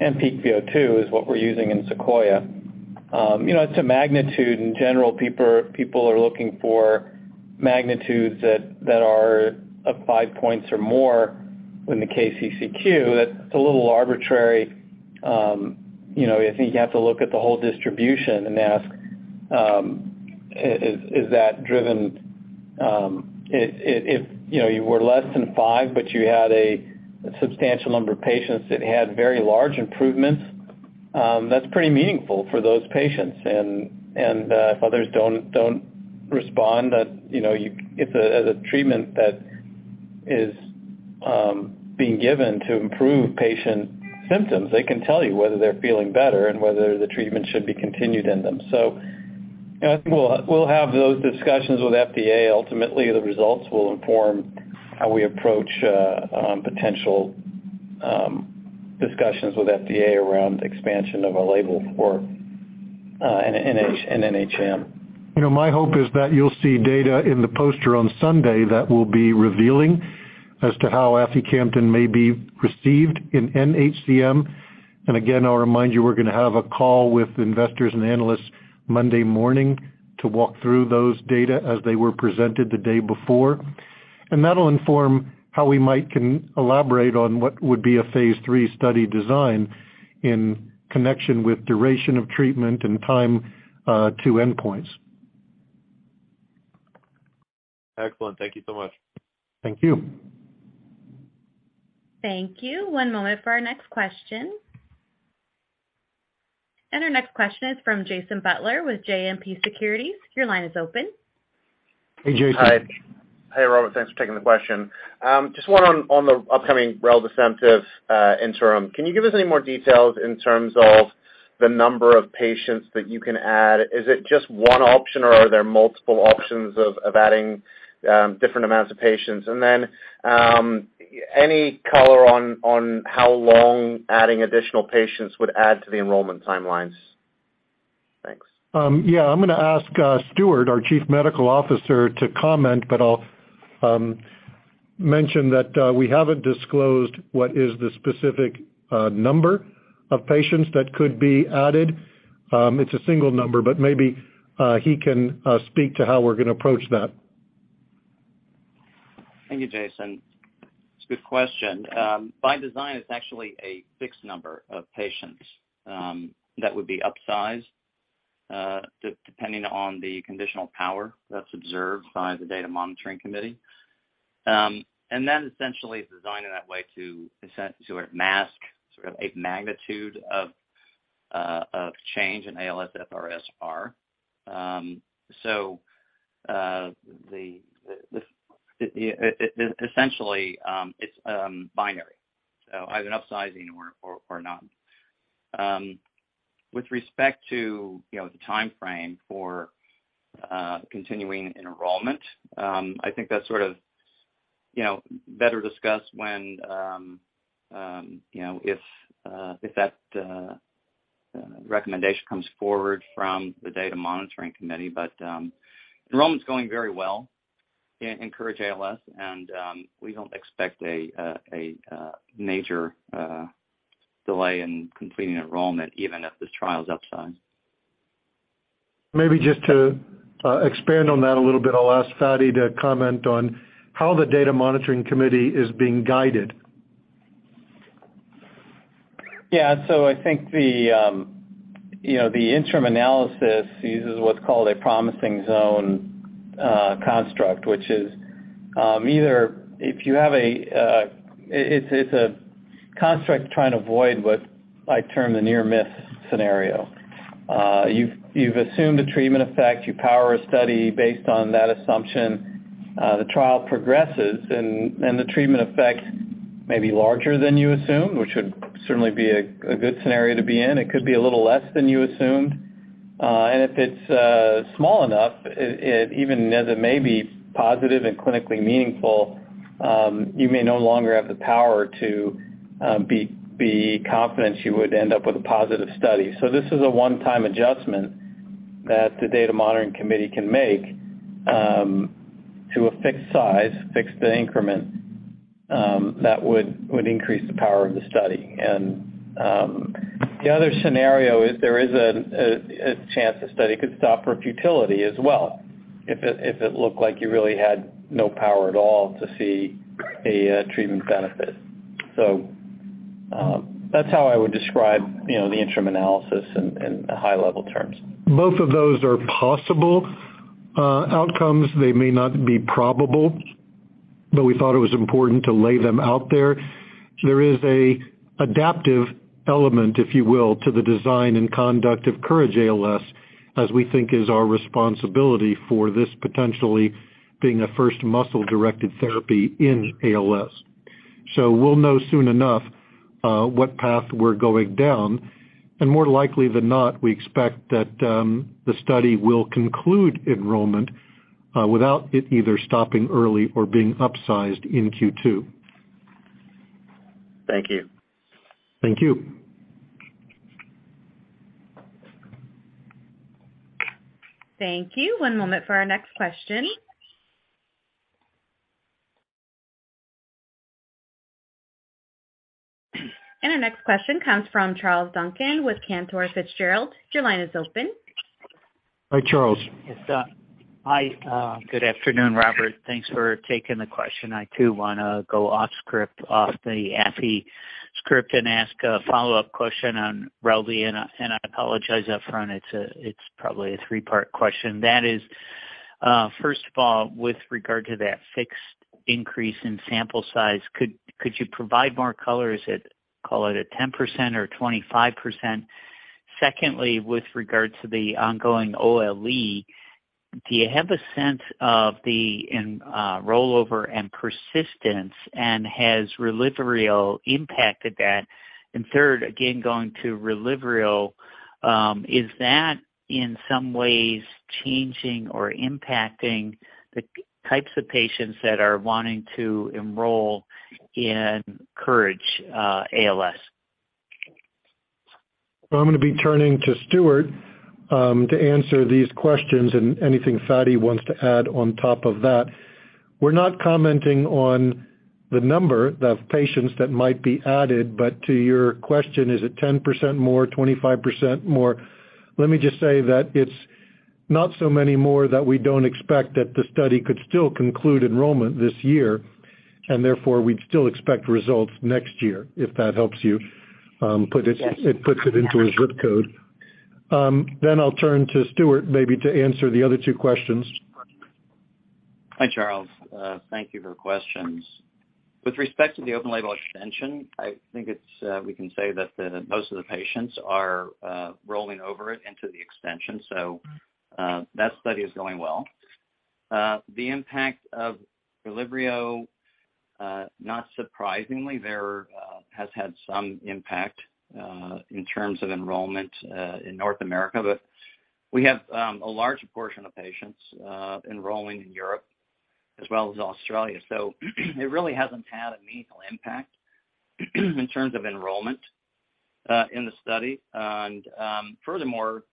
and peak VO2 is what we're using in Sequoia. You know, it's a magnitude. In general, people are looking for magnitudes that are of five points or more than the KCCQ. That's a little arbitrary. You know, I think you have to look at the whole distribution and ask, is that driven, if, you know, you were less than five, but you had a substantial number of patients that had very large improvements, that's pretty meaningful for those patients. If others don't respond, that, you know, it's a, as a treatment that is being given to improve patient symptoms, they can tell you whether they're feeling better and whether the treatment should be continued in them. You know, I think we'll have those discussions with FDA. Ultimately, the results will inform how we approach potential discussions with FDA around expansion of a label for an NHCM. You know, my hope is that you'll see data in the poster on Sunday that will be revealing as to how aficamten may be received in NHCM. Again, I'll remind you, we're gonna have a call with investors and analysts Monday morning to walk through those data as they were presented the day before. That'll inform how we might elaborate on what would be a Phase 3 study design in connection with duration of treatment and time to endpoints. Excellent. Thank you so much. Thank you. Thank you. One moment for our next question. Our next question is from Jason Butler with JMP Securities. Your line is open. Hey, Jason. Hi. Hey, Robert. Thanks for taking the question. Just one on the upcoming reldesemtiv interim. Can you give us any more details in terms of the number of patients that you can add? Is it just one option, or are there multiple options of adding different amounts of patients? And then, any color on how long adding additional patients would add to the enrollment timelines? Thanks. Yeah, I'm gonna ask Stuart, our Chief Medical Officer, to comment, but I'll mention that we haven't disclosed what is the specific number of patients that could be added. It's a single number, but maybe he can speak to how we're gonna approach that. Thank you, Jason. It's a good question. By design, it's actually a fixed number of patients that would be upsized, depending on the conditional power that's observed by the Data Monitoring Committee. Essentially, it's designed in that way to to sort of mask sort of a magnitude of change in ALSFRS-R. The essentially, it's binary, so either upsizing or not. With respect to, you know, the timeframe for continuing enrollment, I think that's sort of, you know, better discussed when, you know, if that recommendation comes forward from the Data Monitoring Committee. Enrollment's going very well in COURAGE-ALS, and we don't expect a major delay in completing enrollment even if the trial's upsized. Maybe just to, expand on that a little bit, I'll ask Fady to comment on how the Data Monitoring Committee is being guided. I think the, you know, the interim analysis uses what's called a Promising Zone construct, which is. It's a construct trying to avoid what I term the near miss scenario. You've assumed a treatment effect. You power a study based on that assumption. The trial progresses and the treatment effect may be larger than you assumed, which would certainly be a good scenario to be in. It could be a little less than you assumed. If it's small enough, even as it may be positive and clinically meaningful, you may no longer have the power to be confident you would end up with a positive study. This is a one-time adjustment that the Data Monitoring Committee can make, to a fixed size, fixed increment, that would increase the power of the study. The other scenario is there is a chance the study could stop for futility as well if it looked like you really had no power at all to see a treatment benefit. That's how I would describe, you know, the interim analysis in high-level terms. Both of those are possible outcomes. They may not be probable, but we thought it was important to lay them out there. There is a adaptive element, if you will, to the design and conduct of COURAGE-ALS, as we think is our responsibility for this potentially being a first muscle-directed therapy in ALS. We'll know soon enough what path we're going down. More likely than not, we expect that the study will conclude enrollment without it either stopping early or being upsized in Q2. Thank you. Thank you. Thank you. One moment for our next question. Our next question comes from Charles Duncan with Cantor Fitzgerald. Your line is open. Hi, Charles. Yes. Hi, good afternoon, Robert. Thanks for taking the question. I too want to go off script, off the aficamten script and ask a follow-up question on Relyvrio, and I apologize up front. It's probably a three-part question. That is, first of all, with regard to that fixed increase in sample size, could you provide more color? Is it, call it a 10% or 25%? Secondly, with regard to the ongoing OLE, do you have a sense of the rollover and persistence, and has Relyvrio impacted that? Third, again, going to Relyvrio, is that in some ways changing or impacting the types of patients that are wanting to enroll in COURAGE-ALS? I'm gonna be turning to Stuart to answer these questions and anything Fady wants to add on top of that. We're not commenting on the number of patients that might be added, but to your question, is it 10% more, 25% more? Let me just say that it's not so many more that we don't expect that the study could still conclude enrollment this year, and therefore we'd still expect results next year, if that helps you. Yes. It puts it into a ZIP Code. I'll turn to Stuart maybe to answer the other 2 questions. Hi, Charles. Thank you for questions. With respect to the open-label extension, I think it's, we can say that most of the patients are rolling over it into the extension. That study is going well. The impact of Relyvrio, not surprisingly, has had some impact in terms of enrollment in North America. We have a large portion of patients enrolling in Europe as well as Australia. It really hasn't had a meaningful impact in terms of enrollment in the study. Furthermore,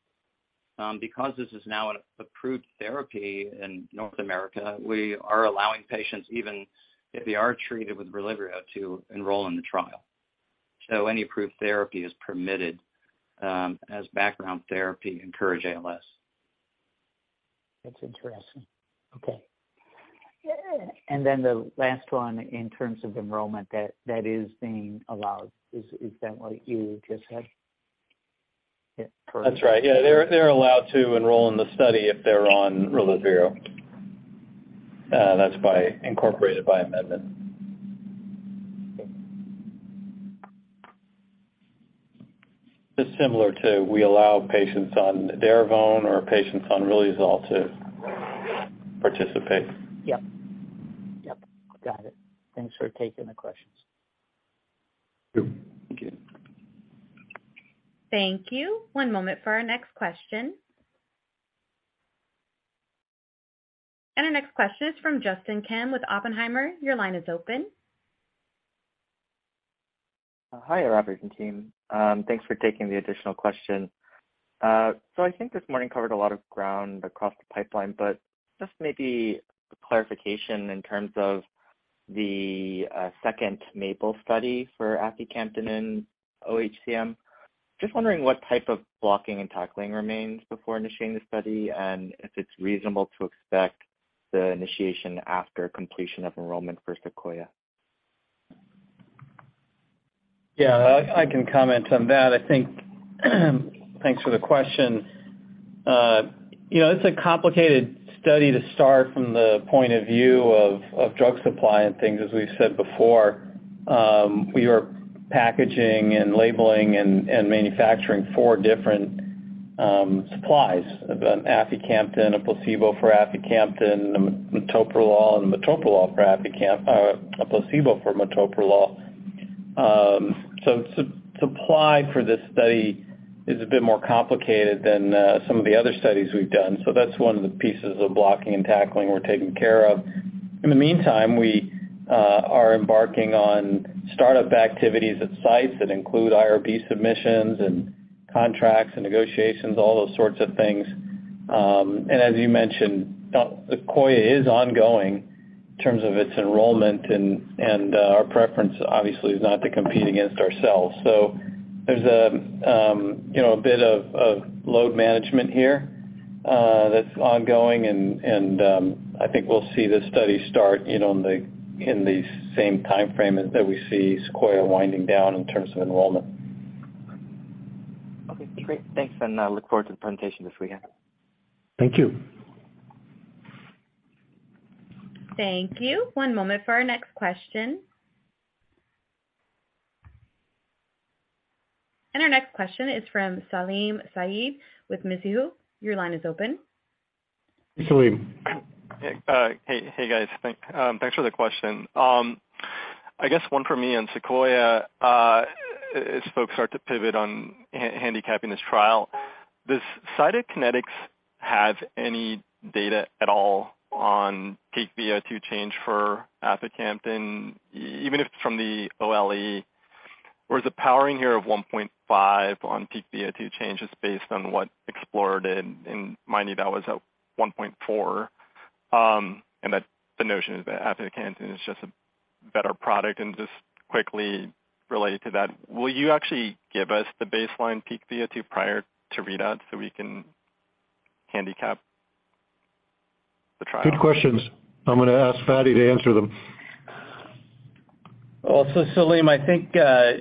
because this is now an approved therapy in North America, we are allowing patients, even if they are treated with Relyvrio, to enroll in the trial. Any approved therapy is permitted as background therapy in COURAGE-ALS. That's interesting. Okay. Then the last one, in terms of enrollment, that is being allowed. Is that what you just said? Yeah. That's right. They're allowed to enroll in the study if they're on Relyvrio. That's by incorporated by amendment. Okay. It's similar to we allow patients on disopyramide or patients on Relyvrio to participate. Yep. Got it. Thanks for taking the questions. Sure. Thank you. Thank you. One moment for our next question. Our next question is from Justin Kim with Oppenheimer. Your line is open. Hi, Robert and team. Thanks for taking the additional question. I think this morning covered a lot of ground across the pipeline, but just maybe a clarification in terms of the second MAPLE study for aficamten in OHCM. Just wondering what type of blocking and tackling remains before initiating the study, and if it's reasonable to expect the initiation after completion of enrollment for Sequoia. Yeah, I can comment on that. I think, thanks for the question. you know, it's a complicated study to start from the point of view of drug supply and things. As we've said before, we are packaging and labeling and manufacturing four different supplies of an aficamten, a placebo for aficamten, metoprolol and a placebo for metoprolol. Supply for this study is a bit more complicated than some of the other studies we've done. That's one of the pieces of blocking and tackling we're taking care of. In the meantime, we are embarking on startup activities at sites that include IRB submissions and contracts and negotiations, all those sorts of things. As you mentioned, Sequoia is ongoing in terms of its enrollment and our preference obviously is not to compete against ourselves. There's a, you know, a bit of load management here, that's ongoing and I think we'll see this study start in the same timeframe that we see Sequoia winding down in terms of enrollment. Okay, great. Thanks, and I look forward to the presentation this weekend. Thank you. Thank you. One moment for our next question. Our next question is from Salim Syed with Mizuho. Your line is open. Salim. Hey. Hey, guys. Thanks for the question. I guess one for me on SEQUOIA-HCM, as folks start to pivot on handicapping this trial, does Cytokinetics have any data at all on peak VO2 change for aficamten even if it's from the OLE? Is the powering here of 1.5 on peak VO2 change is based on what EXPLORER-HCM did? Mind you, that was at 1.4. That the notion is that aficamten is just a better product. Just quickly related to that, will you actually give us the baseline peak VO2 prior to readout, so we can handicap the trial? Good questions. I'm gonna ask Fady to answer them. Salim, I think,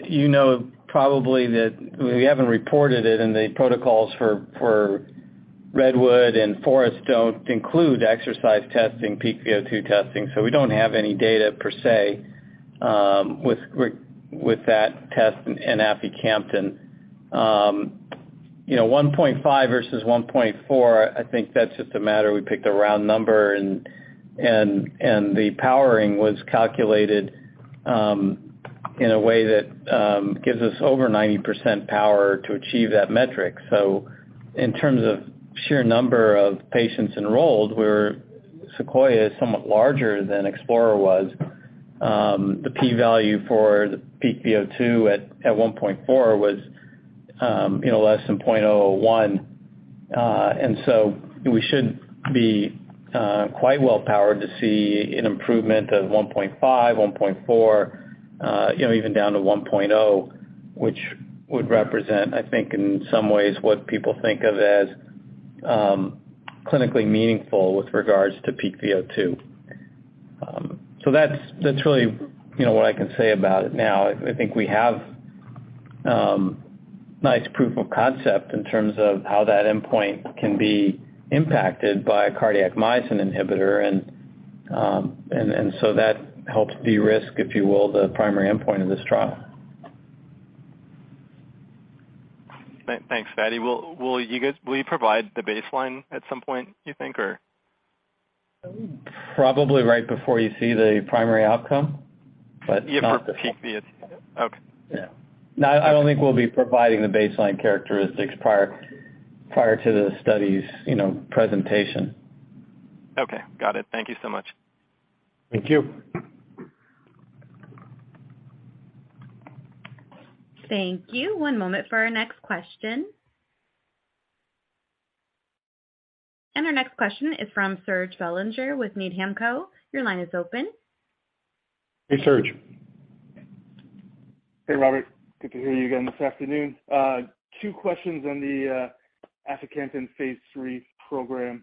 you know probably that we haven't reported it in the protocols for Redwood and Forest don't include exercise testing, peak VO2 testing, so we don't have any data per se with that test in aficamten. You know, 1.5 versus 1.4, I think that's just a matter we picked a round number and the powering was calculated in a way that gives us over 90% power to achieve that metric. In terms of sheer number of patients enrolled, where Sequoia is somewhat larger than EXPLORER-HCM was, the P value for the peak VO2 at 1.4 was, you know, less than 0.01. We should be quite well powered to see an improvement of 1.5, 1.4, you know, even down to 1.0, which would represent, I think, in some ways what people think of as clinically meaningful with regards to peak VO2. That's, that's really, you know, what I can say about it now. I think we have nice proof of concept in terms of how that endpoint can be impacted by a cardiac myosin inhibitor and that helps de-risk, if you will, the primary endpoint of this trial. Thanks, Fady. Will you provide the baseline at some point, you think, or? Probably right before you see the primary outcome, but not-. Yeah, for peak VO2. Okay. Yeah. No, I don't think we'll be providing the baseline characteristics prior to the study's, you know, presentation. Okay. Got it. Thank you so much. Thank you. Thank you. One moment for our next question. Our next question is from Serge Belanger with Needham Co. Your line is open. Hey, Serge. Hey, Robert. Good to hear you again this afternoon. 2 questions on the aficamten Phase 3 program.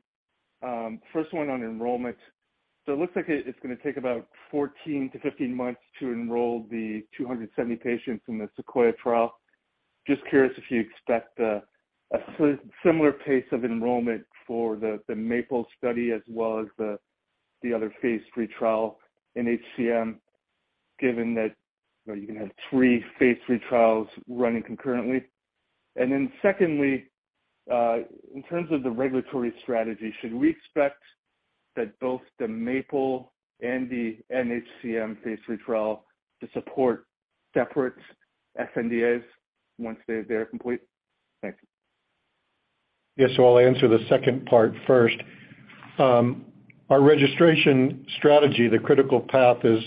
First one on enrollment. It looks like it's gonna take about 14-15 months to enroll the 270 patients in the Sequoia trial. Just curious if you expect a similar pace of enrollment for the MAPLE study as well as the other Phase 3 trial in HCM, given that, you know, you're gonna have 3 Phase 3 trials running concurrently. Secondly, in terms of the regulatory strategy, should we expect that both the MAPLE and the NHCM Phase 3 trial to support separate sNDAs once they are complete? Thanks. Yes. I'll answer the second part first. Our registration strategy, the critical path is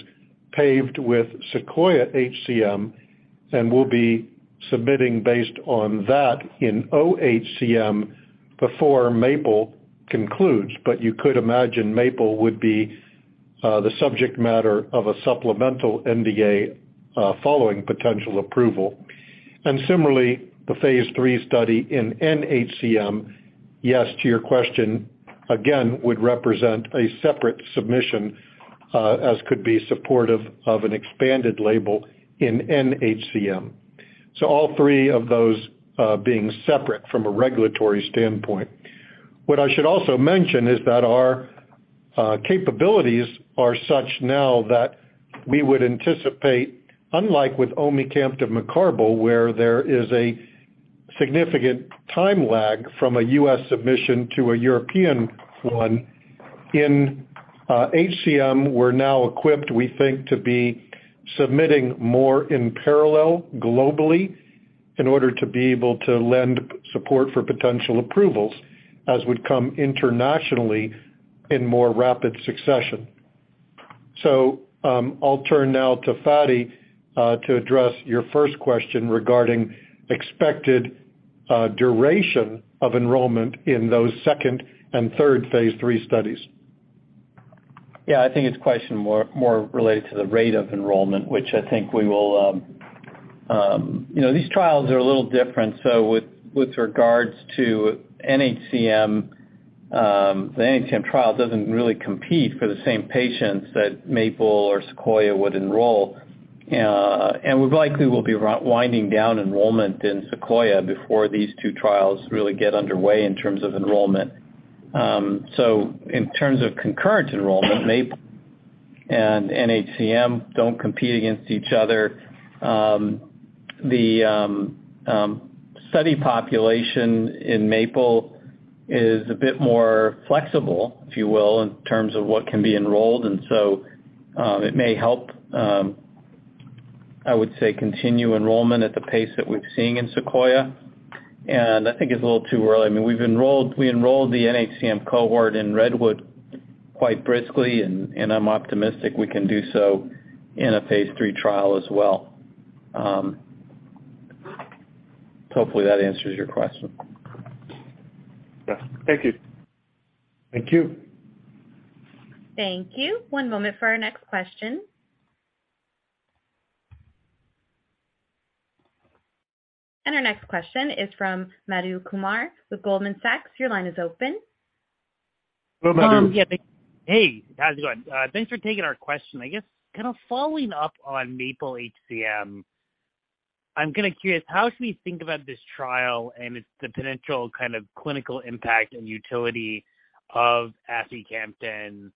paved with SEQUOIA-HCM, and we'll be submitting based on that in OHCM before MAPLE concludes. You could imagine MAPLE would be the subject matter of a supplemental NDA following potential approval. Similarly, the Phase 3 study in NHCM, yes, to your question, again, would represent a separate submission as could be supportive of an expanded label in NHCM. All three of those being separate from a regulatory standpoint. I should also mention that our capabilities are such now that we would anticipate, unlike with omecamtiv mecarbil, where there is a significant time lag from a U.S. submission to a European one. In HCM, we're now equipped, we think, to be submitting more in parallel globally in order to be able to lend support for potential approvals as would come internationally in more rapid succession. I'll turn now to Fady to address your first question regarding expected duration of enrollment in those second and third Phase 3 studies. Yeah. I think his question more related to the rate of enrollment, which I think we will. You know, these trials are a little different. With regards to NHCM, the NHCM trial doesn't really compete for the same patients that MAPLE or SEQUOIA would enroll. We likely will be winding down enrollment in SEQUOIA before these 2 trials really get underway in terms of enrollment. In terms of concurrent enrollment, MAPLE and NHCM don't compete against each other. The study population in MAPLE is a bit more flexible, if you will, in terms of what can be enrolled. It may help, I would say, continue enrollment at the pace that we're seeing in SEQUOIA. I think it's a little too early. I mean, we enrolled the NHCM cohort in REDWOOD-HCM quite briskly and I'm optimistic we can do so in a Phase 3 trial as well. Hopefully that answers your question. Yeah. Thank you. Thank you. Thank you. One moment for our next question. Our next question is from Madhu Kumar with Goldman Sachs. Your line is open. Hello, Madhu. Yeah. Hey, how's it going? Thanks for taking our question. I guess kind of following up on MAPLE-HCM, I'm kinda curious, how should we think about this trial and the potential kind of clinical impact and utility of aficamten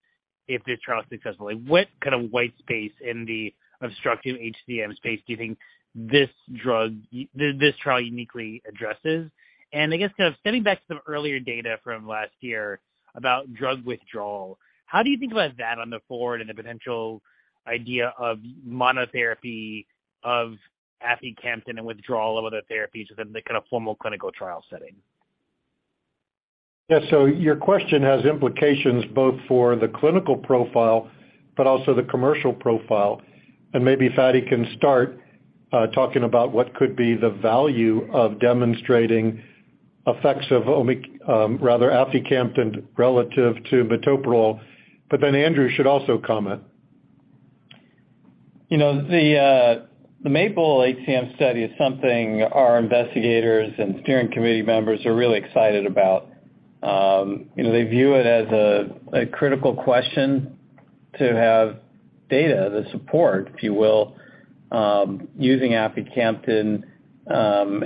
if this trial is successful? Like, what kind of white space in the obstructive HCM space do you think this drug this trial uniquely addresses? I guess kind of stemming back to some earlier data from last year about drug withdrawal, how do you think about that on the forward and the potential idea of monotherapy of aficamten and withdrawal of other therapies within the kind of formal clinical trial setting? Yeah. Your question has implications both for the clinical profile but also the commercial profile. Maybe Fady can start talking about what could be the value of demonstrating effects of rather aficamten relative to metoprolol, Andrew should also comment. You know, the MAPLE-HCM study is something our investigators and steering committee members are really excited about. You know, they view it as a critical question to have data to support, if you will, using aficamten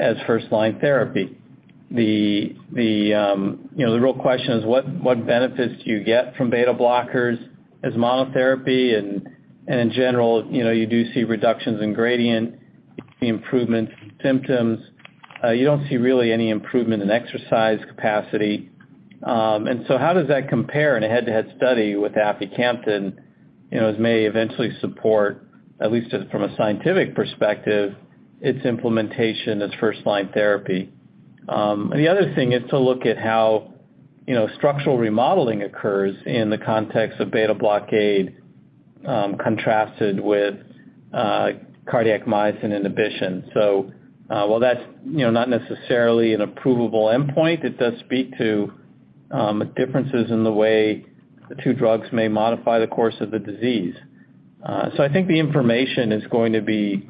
as first line therapy. You know, the real question is, what benefits do you get from beta blockers as monotherapy? In general, you know, you do see reductions in gradient, the improvement symptoms. You don't see really any improvement in exercise capacity. How does that compare in a head-to-head study with aficamten, you know, as may eventually support, at least from a scientific perspective, its implementation as first line therapy. The other thing is to look at how, you know, structural remodeling occurs in the context of beta blockade, contrasted with cardiac myosin inhibition. While that's, you know, not necessarily an approvable endpoint, it does speak to differences in the way the 2 drugs may modify the course of the disease. I think the information is going to be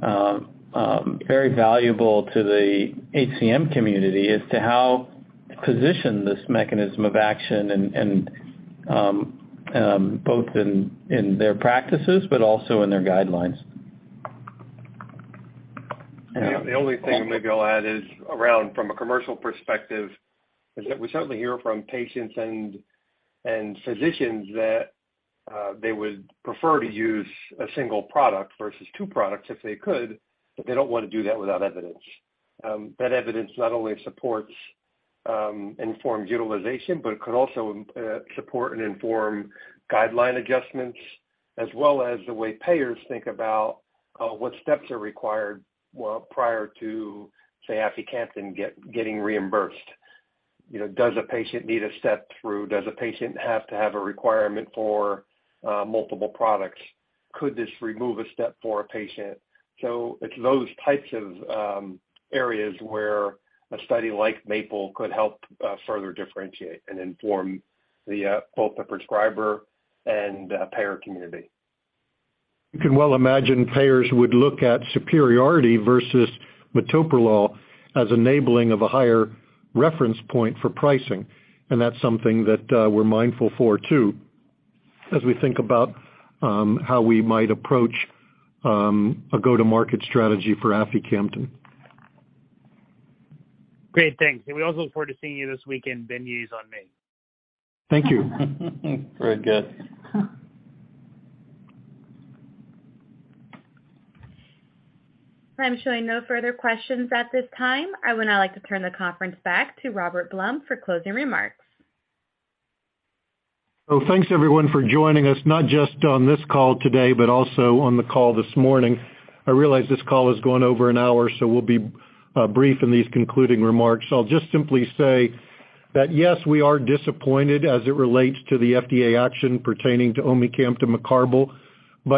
very valuable to the HCM community as to how to position this mechanism of action and both in their practices but also in their guidelines. The only thing maybe I'll add is around from a commercial perspective is that we certainly hear from patients and physicians that they would prefer to use a single product versus 2 products if they could, but they don't wanna do that without evidence. That evidence not only supports informed utilization, but it could also support and inform guideline adjustments, as well as the way payers think about what steps are required well, prior to, say, aficamten getting reimbursed. You know, does a patient need a step through? Does a patient have to have a requirement for multiple products? Could this remove a step for a patient? It's those types of areas where a study like MAPLE could help further differentiate and inform both the prescriber and payer community. You can well imagine payers would look at superiority versus metoprolol as enabling of a higher reference point for pricing. That's something that we're mindful for too as we think about how we might approach a go-to-market strategy for aficamten. Great. Thanks. We also look forward to seeing you this weekend. Ben Amin is on me. Thank you. Very good. I'm showing no further questions at this time. I would now like to turn the conference back to Robert I. Blum for closing remarks. Thanks everyone for joining us, not just on this call today, but also on the call this morning. I realize this call has gone over an hour, we'll be brief in these concluding remarks. I'll just simply say that yes, we are disappointed as it relates to the FDA action pertaining to omecamtiv mecarbil.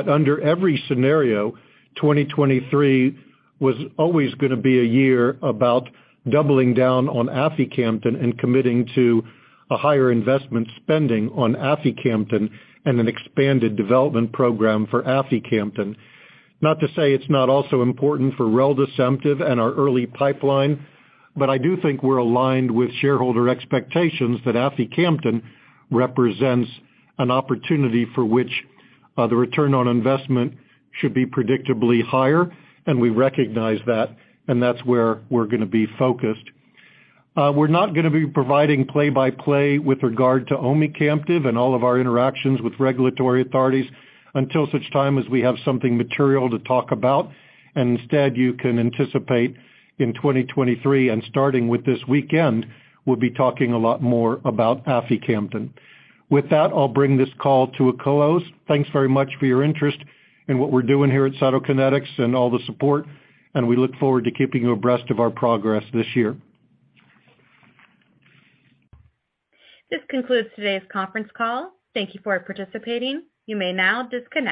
Under every scenario, 2023 was always gonna be a year about doubling down on aficamten and committing to a higher investment spending on aficamten and an expanded development program for aficamten. Not to say it's not also important for reldesemtiv and our early pipeline, I do think we're aligned with shareholder expectations that aficamten represents an opportunity for which the return on investment should be predictably higher, and we recognize that, and that's where we're gonna be focused. We're not gonna be providing play-by-play with regard to omecamtiv and all of our interactions with regulatory authorities until such time as we have something material to talk about. Instead, you can anticipate in 2023, and starting with this weekend, we'll be talking a lot more about aficamten. With that, I'll bring this call to a close. Thanks very much for your interest in what we're doing here at Cytokinetics and all the support, and we look forward to keeping you abreast of our progress this year. This concludes today's conference call. Thank you for participating. You may now disconnect.